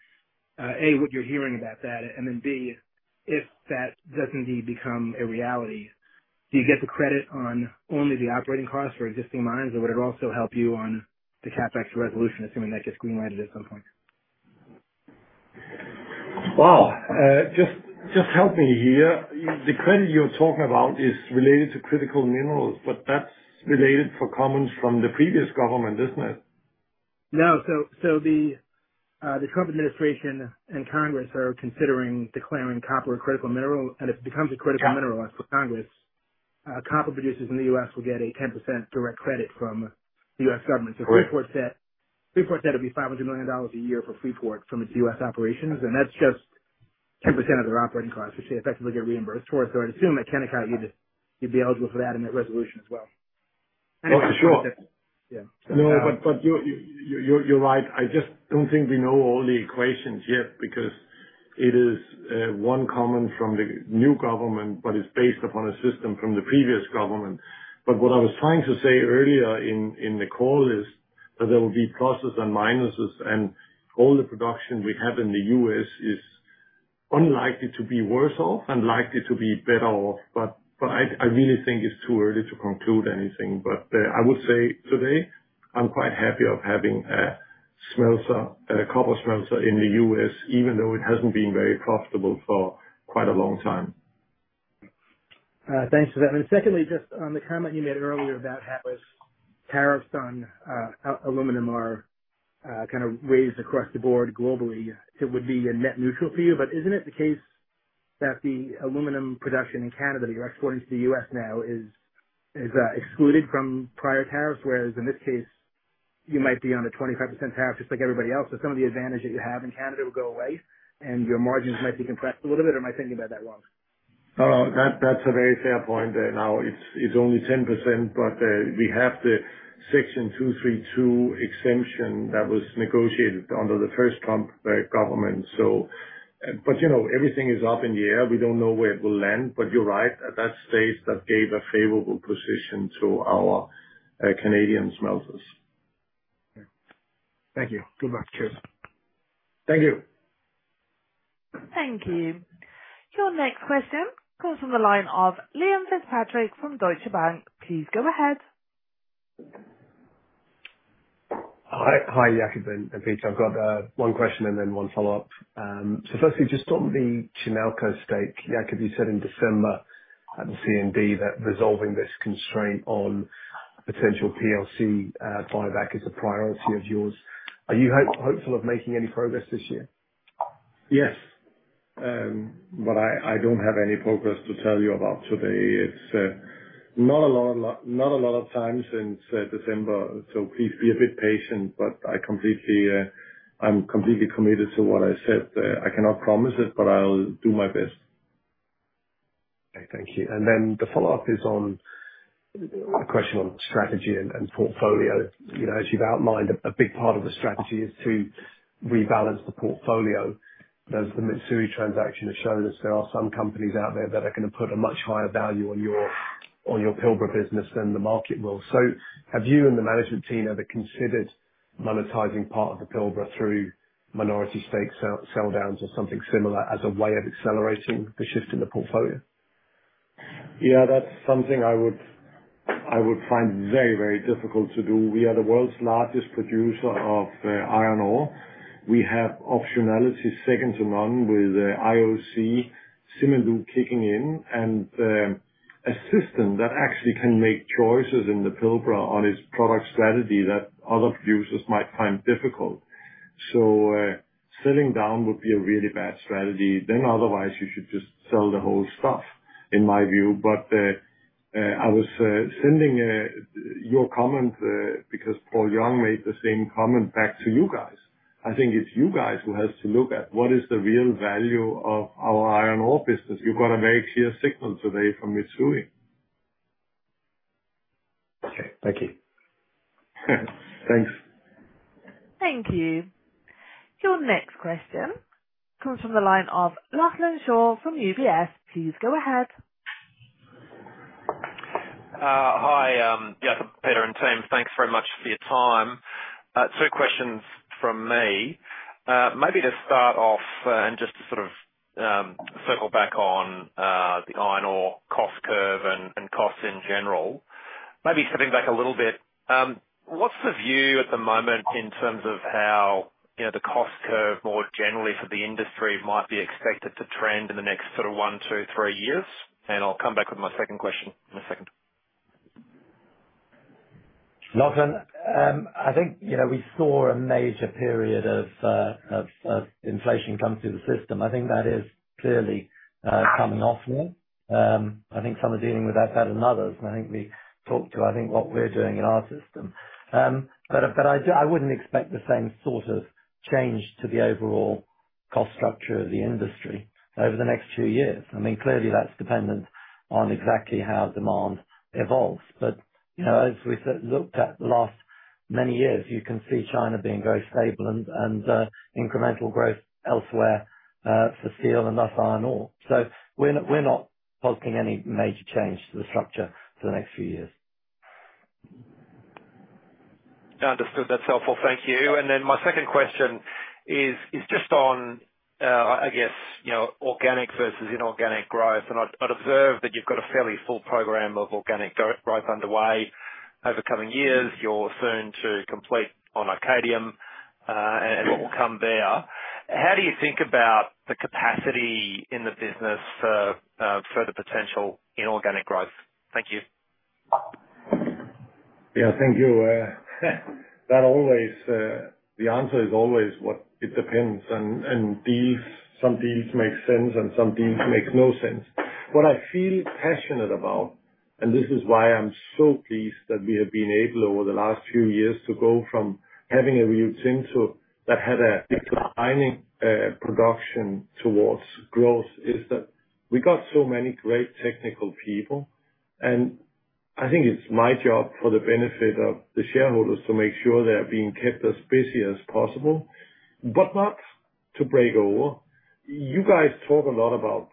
A, what you're hearing about that, and then B, if that does indeed become a reality, do you get the credit on only the operating costs for existing mines, or would it also help you on the CapEx for Resolution, assuming that gets greenlighted at some point? Wow. Just help me here. The credit you're talking about is related to critical minerals, but that's related for comments from the previous government, isn't it? No. So, the Trump administration and Congress are considering declaring copper a critical mineral. And if it becomes a critical mineral for Congress, copper producers in the U.S. will get a 10% direct credit from the U.S. government. So, Freeport said it'll be $500 million a year for Freeport from its U.S. operations. And that's just 10% of their operating cost, which they effectively get reimbursed for. So, I'd assume at Kennecott, you'd be eligible for that and that Resolution as well. And if that's the case, yeah. Oh, for sure. No, but you're right. I just don't think we know all the equations yet because it is one comment from the new government, but it's based upon a system from the previous government. But what I was trying to say earlier in the call is that there will be pluses and minuses, and all the production we have in the U.S. is unlikely to be worse off and likely to be better off. But I really think it's too early to conclude anything. But I would say today, I'm quite happy of having a copper smelter in the U.S., even though it hasn't been very profitable for quite a long time. Thanks for that. Secondly, just on the comment you made earlier about how tariffs on aluminum are kind of raised across the board globally, it would be a net neutral for you. But isn't it the case that the alumina production in Canada that you're exporting to the U.S. now is excluded from prior tariffs, whereas in this case, you might be on a 25% tariff just like everybody else? So, some of the advantage that you have in Canada would go away, and your margins might be compressed a little bit. Am I thinking about that wrong? Oh, that's a very fair point. Now, it's only 10%, but we have the Section 232 exemption that was negotiated under the first Trump government. But everything is up in the air. We don't know where it will land. But you're right. At that stage, that gave a favorable position to our Canadian smelters. Thank you. Good luck, Chris. Thank you. Thank you. Your next question comes from the line of Liam Fitzpatrick from Deutsche Bank. Please go ahead. Hi, Jakob and Peter. I've got one question and then one follow-up. So firstly, just on the Chinalco stake, Jakob, you said in December at the CMD that resolving this constraint on potential PLC buyback is a priority of yours. Are you hopeful of making any progress this year? Yes. But I don't have any progress to tell you about today. It's not a lot of time since December, so please be a bit patient. But I'm completely committed to what I said. I cannot promise it, but I'll do my best. Okay. Thank you. And then the follow-up is on a question on strategy and portfolio. As you've outlined, a big part of the strategy is to rebalance the portfolio. As the Mitsui transaction has shown us, there are some companies out there that are going to put a much higher value on your Pilbara business than the market will. So, have you and the management team ever considered monetizing part of the Pilbara through minority stake sell-downs or something similar as a way of accelerating the shift in the portfolio? Yeah, that's something I would find very, very difficult to do. We are the world's largest producer of iron ore. We have optionality second to none with IOC. Simandou kicking in, and a system that actually can make choices in the Pilbara on its product strategy that other producers might find difficult. So, selling down would be a really bad strategy. Then otherwise, you should just sell the whole stuff, in my view. But I was sending your comment because Paul Young made the same comment back to you guys. I think it's you guys who have to look at what is the real value of our iron ore business. You've got a very clear signal today from Mitsui. Okay. Thank you. Thanks. Thank you. Your next question comes from the line of Lachlan Shaw from UBS. Please go ahead. Hi, Jakob, Peter, and Tim. Thanks very much for your time. Two questions from me. Maybe to start off and just to sort of circle back on the iron ore cost curve and costs in general, maybe stepping back a little bit, what's the view at the moment in terms of how the cost curve more generally for the industry might be expected to trend in the next sort of one, two, three years? I'll come back with my second question in a second. Lachlan, I think we saw a major period of inflation come through the system. I think that is clearly coming off now. I think some are dealing with that better than others. And I think we talked to, I think, what we're doing in our system. But I wouldn't expect the same sort of change to the overall cost structure of the industry over the next few years. I mean, clearly, that's dependent on exactly how demand evolves. But as we looked at the last many years, you can see China being very stable and incremental growth elsewhere for steel and thus iron ore. So, we're not posting any major change to the structure for the next few years. Understood. That's helpful. Thank you. And then my second question is just on, I guess, organic versus inorganic growth. I'd observe that you've got a fairly full program of organic growth underway over coming years. You're soon to complete on Arcadium and what will come there. How do you think about the capacity in the business for the potential inorganic growth? Thank you. Yeah, thank you. The answer is always what it depends. Some deals make sense, and some deals make no sense. What I feel passionate about, and this is why I'm so pleased that we have been able over the last few years to go from having a routine that had a declining production towards growth, is that we got so many great technical people. I think it's my job for the benefit of the shareholders to make sure they're being kept as busy as possible, but not to break over. You guys talk a lot about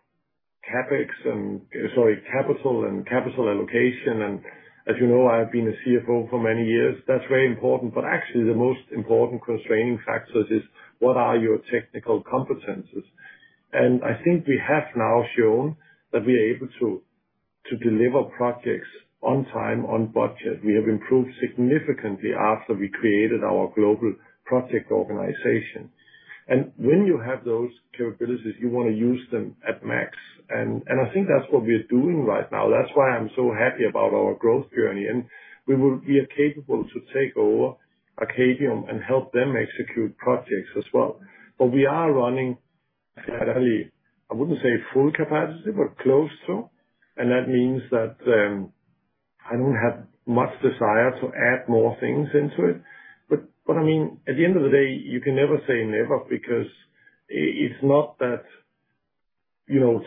CapEx and, sorry, capital and capital allocation. As you know, I've been a CFO for many years. That's very important. But actually, the most important constraining factors is what are your technical competencies? And I think we have now shown that we are able to deliver projects on time, on budget. We have improved significantly after we created our Global Project Organization. And when you have those capabilities, you want to use them at max. And I think that's what we're doing right now. That's why I'm so happy about our growth journey. And we are capable to take over Arcadium and help them execute projects as well. But we are running, I wouldn't say full capacity, but close to. And that means that I don't have much desire to add more things into it. But I mean, at the end of the day, you can never say never because it's not that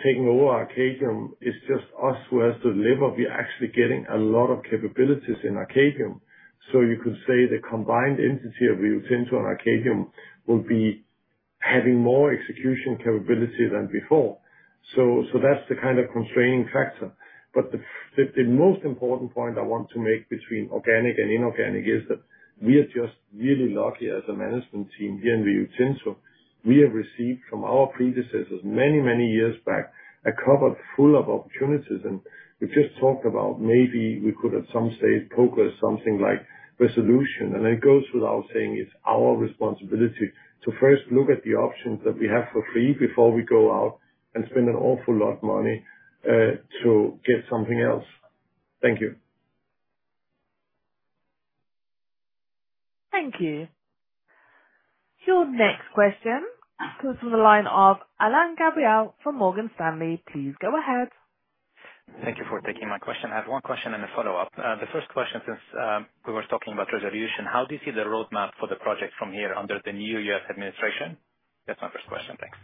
taking over Arcadium is just us who has to deliver. We're actually getting a lot of capabilities in Arcadium. So, you could say the combined entity of Rio Tinto and Arcadium will be having more execution capability than before. So, that's the kind of constraining factor. But the most important point I want to make between organic and inorganic is that we are just really lucky as a management team here in Rio Tinto. We have received from our predecessors many, many years back a cupboard full of opportunities. And we've just talked about maybe we could at some stage progress something like Resolution. It goes without saying it's our responsibility to first look at the options that we have for free before we go out and spend an awful lot of money to get something else. Thank you. Thank you. Your next question comes from the line of Alain Gabriel from Morgan Stanley. Please go ahead. Thank you for taking my question. I have one question and a follow-up. The first question, since we were talking about Resolution, how do you see the roadmap for the project from here under the new U.S. administration? That's my first question. Thanks.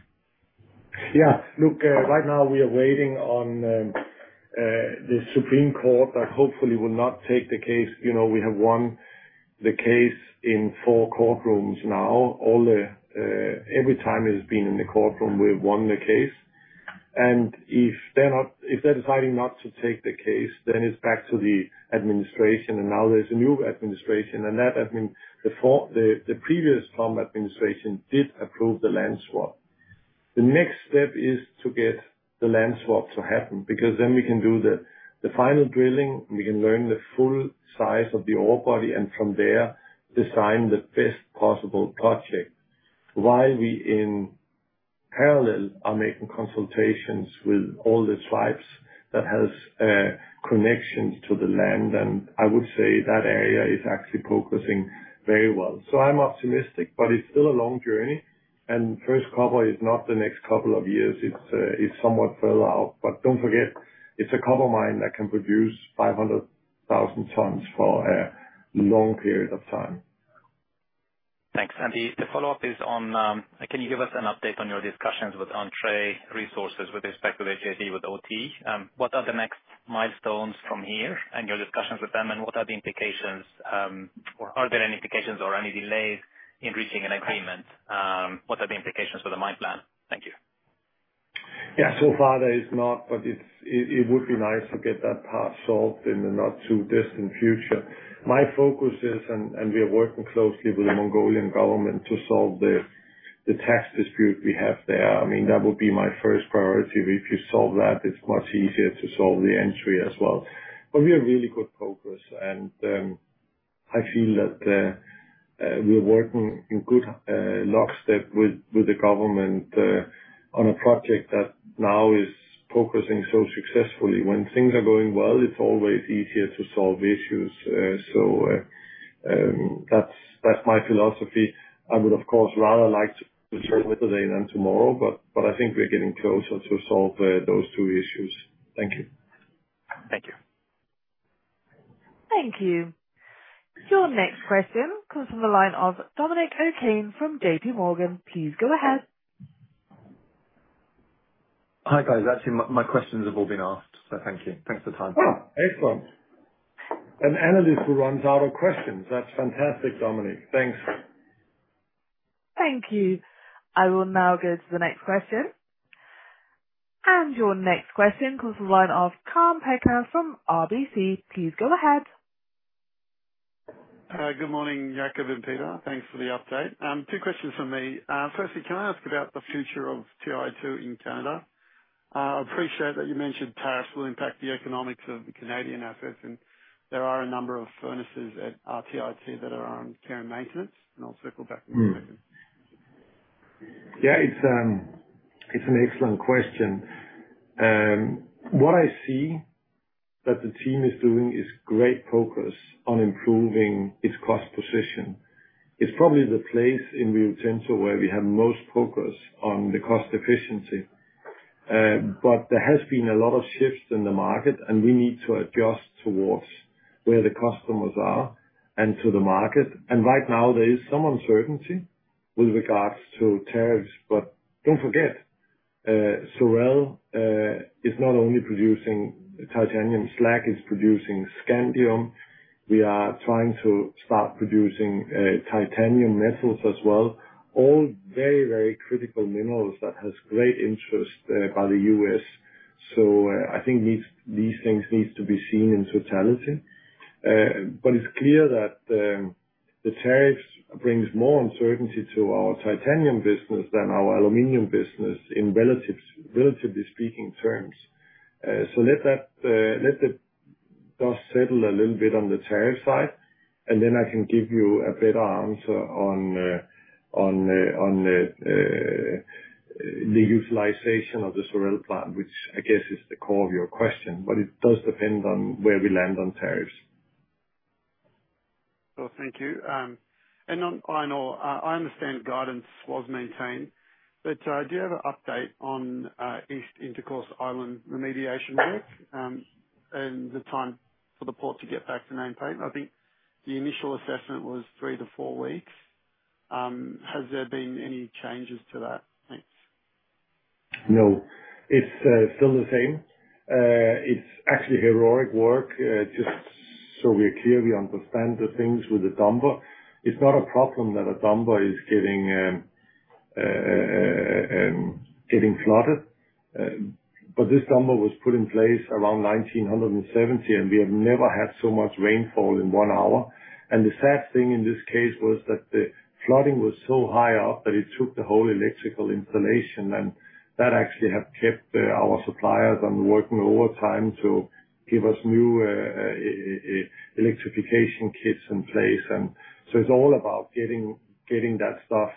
Yeah. Look, right now, we are waiting on the Supreme Court that hopefully will not take the case. We have won the case in four courtrooms now. Every time it has been in the courtroom, we've won the case. If they're deciding not to take the case, then it's back to the administration. Now there's a new administration. The previous Trump administration did approve the land swap. The next step is to get the land swap to happen because then we can do the final drilling. We can learn the full size of the ore body and from there design the best possible project while we in parallel are making consultations with all the tribes that have connections to the land. I would say that area is actually progressing very well. I'm optimistic, but it's still a long journey. Res Copper is not the next couple of years. It's somewhat further out. Don't forget, it's a copper mine that can produce 500,000 tonnes for a long period of time. Thanks. And the follow-up is on, can you give us an update on your discussions with Entrée Resources with respect to the JV with OT? What are the next milestones from here and your discussions with them? And what are the implications, or are there any implications or any delays in reaching an agreement? What are the implications for the mine plan? Thank you. Yeah. So far, there is not, but it would be nice to get that part solved in the not-too-distant future. My focus is, and we are working closely with the Mongolian government to solve the tax dispute we have there. I mean, that would be my first priority. If you solve that, it's much easier to solve the Entrée as well. But we have really good progress. I feel that we're working in good lockstep with the government on a project that now is progressing so successfully. When things are going well, it's always easier to solve issues. So, that's my philosophy. I would, of course, rather like to return with today than tomorrow. But I think we're getting closer to solve those two issues. Thank you. Thank you. Thank you. Your next question comes from the line of Dominic O'Kane from JPMorgan. Please go ahead. Hi, guys. Actually, my questions have all been asked, so thank you. Thanks for the time. Excellent. An analyst who runs out of questions. That's fantastic, Dominic. Thanks. Thank you. I will now go to the next question. Your next question comes from the line of Kaan Peker from RBC. Please go ahead. Good morning, Jakob and Peter. Thanks for the update. Two questions for me. Firstly, can I ask about the future of RTIT in Canada? I appreciate that you mentioned tariffs will impact the economics of the Canadian assets. And there are a number of furnaces at RTIT that are on care and maintenance. And I'll circle back with you later. Yeah, it's an excellent question. What I see that the team is doing is great progress on improving its cost position. It's probably the place in Rio Tinto where we have most progress on the cost efficiency. But there has been a lot of shifts in the market, and we need to adjust towards where the customers are and to the market. And right now, there is some uncertainty with regards to tariffs. But don't forget, Sorel is not only producing titanium slag; it's producing scandium. We are trying to start producing titanium metals as well. All very, very critical minerals that have great interest by the U.S. So, I think these things need to be seen in totality. But it's clear that the tariffs bring more uncertainty to our titanium business than our aluminum business in relatively speaking terms. So, let the dust settle a little bit on the tariff side, and then I can give you a better answer on the utilization of the Sorel plant, which I guess is the core of your question, but it does depend on where we land on tariffs, Well, thank you, and on iron ore, I understand guidance was maintained, but do you have an update on East Intercourse Island remediation work and the time for the port to get back to nameplate? I think the initial assessment was three to four weeks. Has there been any changes to that? Thanks. No. It's still the same. It's actually heroic work. Just so we're clear, we understand the things with the car dumper. It's not a problem that a car dumper is getting flooded, but this car dumper was put in place around 1970, and we have never had so much rainfall in one hour. And the sad thing in this case was that the flooding was so high up that it took the whole electrical installation, and that actually has kept our suppliers and working overtime to give us new electrification kits in place. And so it's all about getting that stuff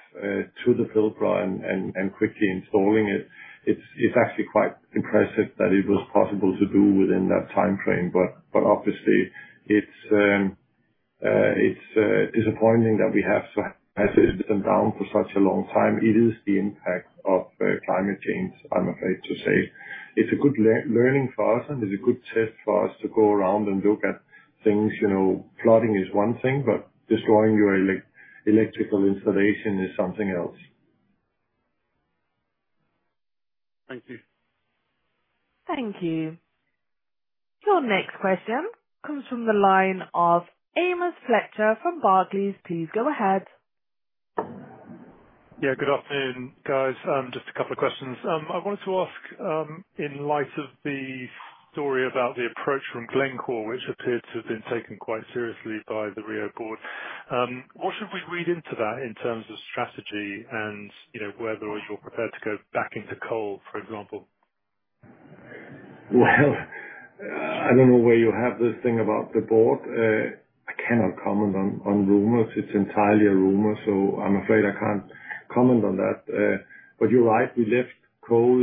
to the filter and quickly installing it. It's actually quite impressive that it was possible to do within that time frame, but obviously, it's disappointing that we have to have this system down for such a long time. It is the impact of climate change, I'm afraid to say. It's a good learning for us, and it's a good test for us to go around and look at things. Flooding is one thing, but destroying your electrical installation is something else. Thank you. Thank you. Your next question comes from the line of Amos Fletcher from Barclays. Please go ahead. Yeah, good afternoon, guys. Just a couple of questions. I wanted to ask in light of the story about the approach from Glencore, which appeared to have been taken quite seriously by the Rio board. What should we read into that in terms of strategy and whether you're prepared to go back into coal, for example? Well, I don't know where you have this thing about the board. I cannot comment on rumors. It's entirely a rumor. So, I'm afraid I can't comment on that. But you're right. We left coal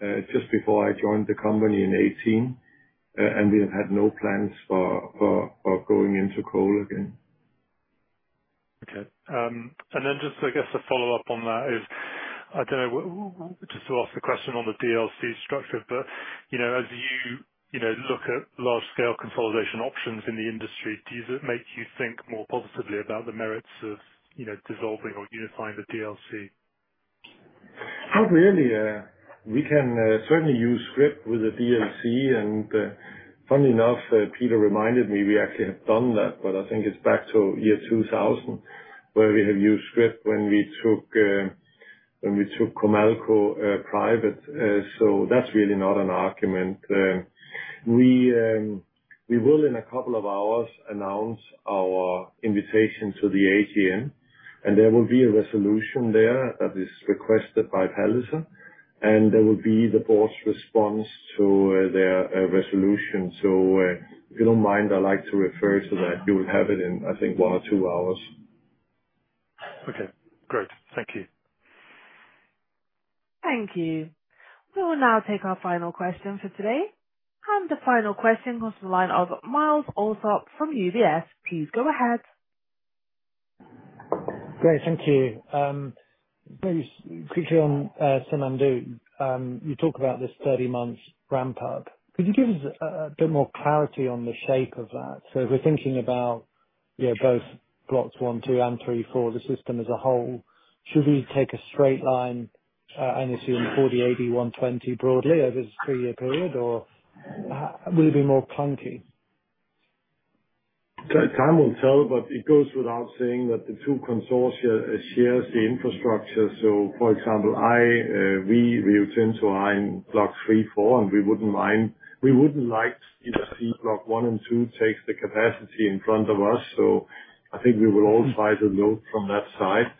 just before I joined the company in 2018, and we have had no plans for going into coal again. Okay. And then just, I guess, a follow-up on that is, I don't know, just to ask the question on the DLC structure, but as you look at large-scale consolidation options in the industry, does it make you think more positively about the merits of dissolving or unifying the DLC? Not really. We can certainly use scrip with the DLC. And funny enough, Peter reminded me we actually have done that, but I think it's back to year 2000 where we have used scrip when we took Comalco private. So that's really not an argument. We will, in a couple of hours, announce our invitation to the AGM, and there will be a resolution there that is requested by Palliser. There will be the board's response to their Resolution. So, if you don't mind, I'd like to refer to that. You will have it in, I think, one or two hours. Okay. Great. Thank you. Thank you. We will now take our final question for today. And the final question comes from the line of Myles Allsop from UBS. Please go ahead. Great. Thank you. Quickly on Simandou, you talk about this 30-month ramp-up. Could you give us a bit more clarity on the shape of that? So, if we're thinking about both blocks one, two, and three, four, the system as a whole, should we take a straight line and assume 40, 80, 120 broadly over this three-year period, or will it be more clunky? Time will tell, but it goes without saying that the two consortia share the infrastructure. So, for example, we Rio Tnto Iron block three, four, and we wouldn't mind. We wouldn't like to see block one and two take the capacity in front of us. So, I think we will all try to load from that side.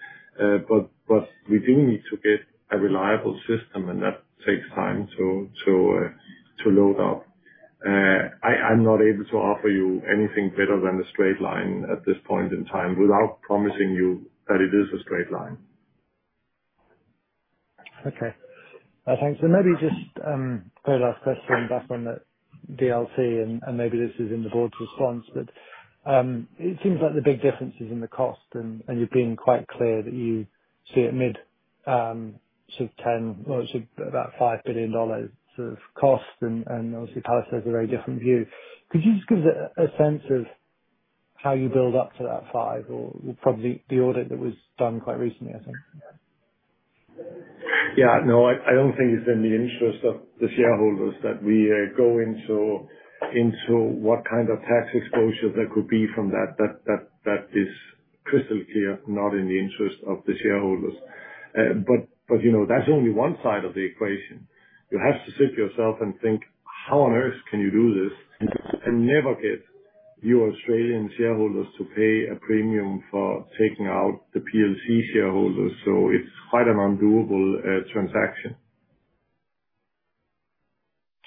But we do need to get a reliable system, and that takes time to load up. I'm not able to offer you anything better than a straight line at this point in time without promising you that it is a straight line. Okay. Thanks. And maybe just a very last question back on the DLC, and maybe this is in the board's response, but it seems like the big difference is in the cost, and you've been quite clear that you see it mid to 10, well, it's about $5 billion sort of cost. And obviously, Palliser has a very different view. Could you just give us a sense of how you build up to that five or probably the audit that was done quite recently, I think? Yeah. No, I don't think it's in the interest of the shareholders that we go into what kind of tax exposure there could be from that. That is crystal clear not in the interest of the shareholders. But that's only one side of the equation. You have to sit yourself and think, "How on earth can you do this and never get your Australian shareholders to pay a premium for taking out the PLC shareholders?" So, it's quite an undoable transaction.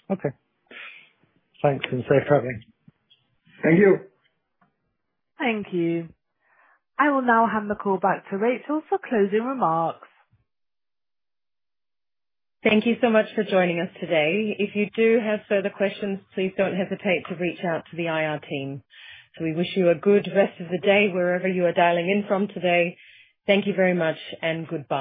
Okay. Thanks. And safe traveling. Thank you. Thank you. I will now hand the call back to Rachel for closing remarks. Thank you so much for joining us today. If you do have further questions, please don't hesitate to reach out to the IR team. So we wish you a good rest of the day wherever you are dialing in from today. Thank you very much and goodbye.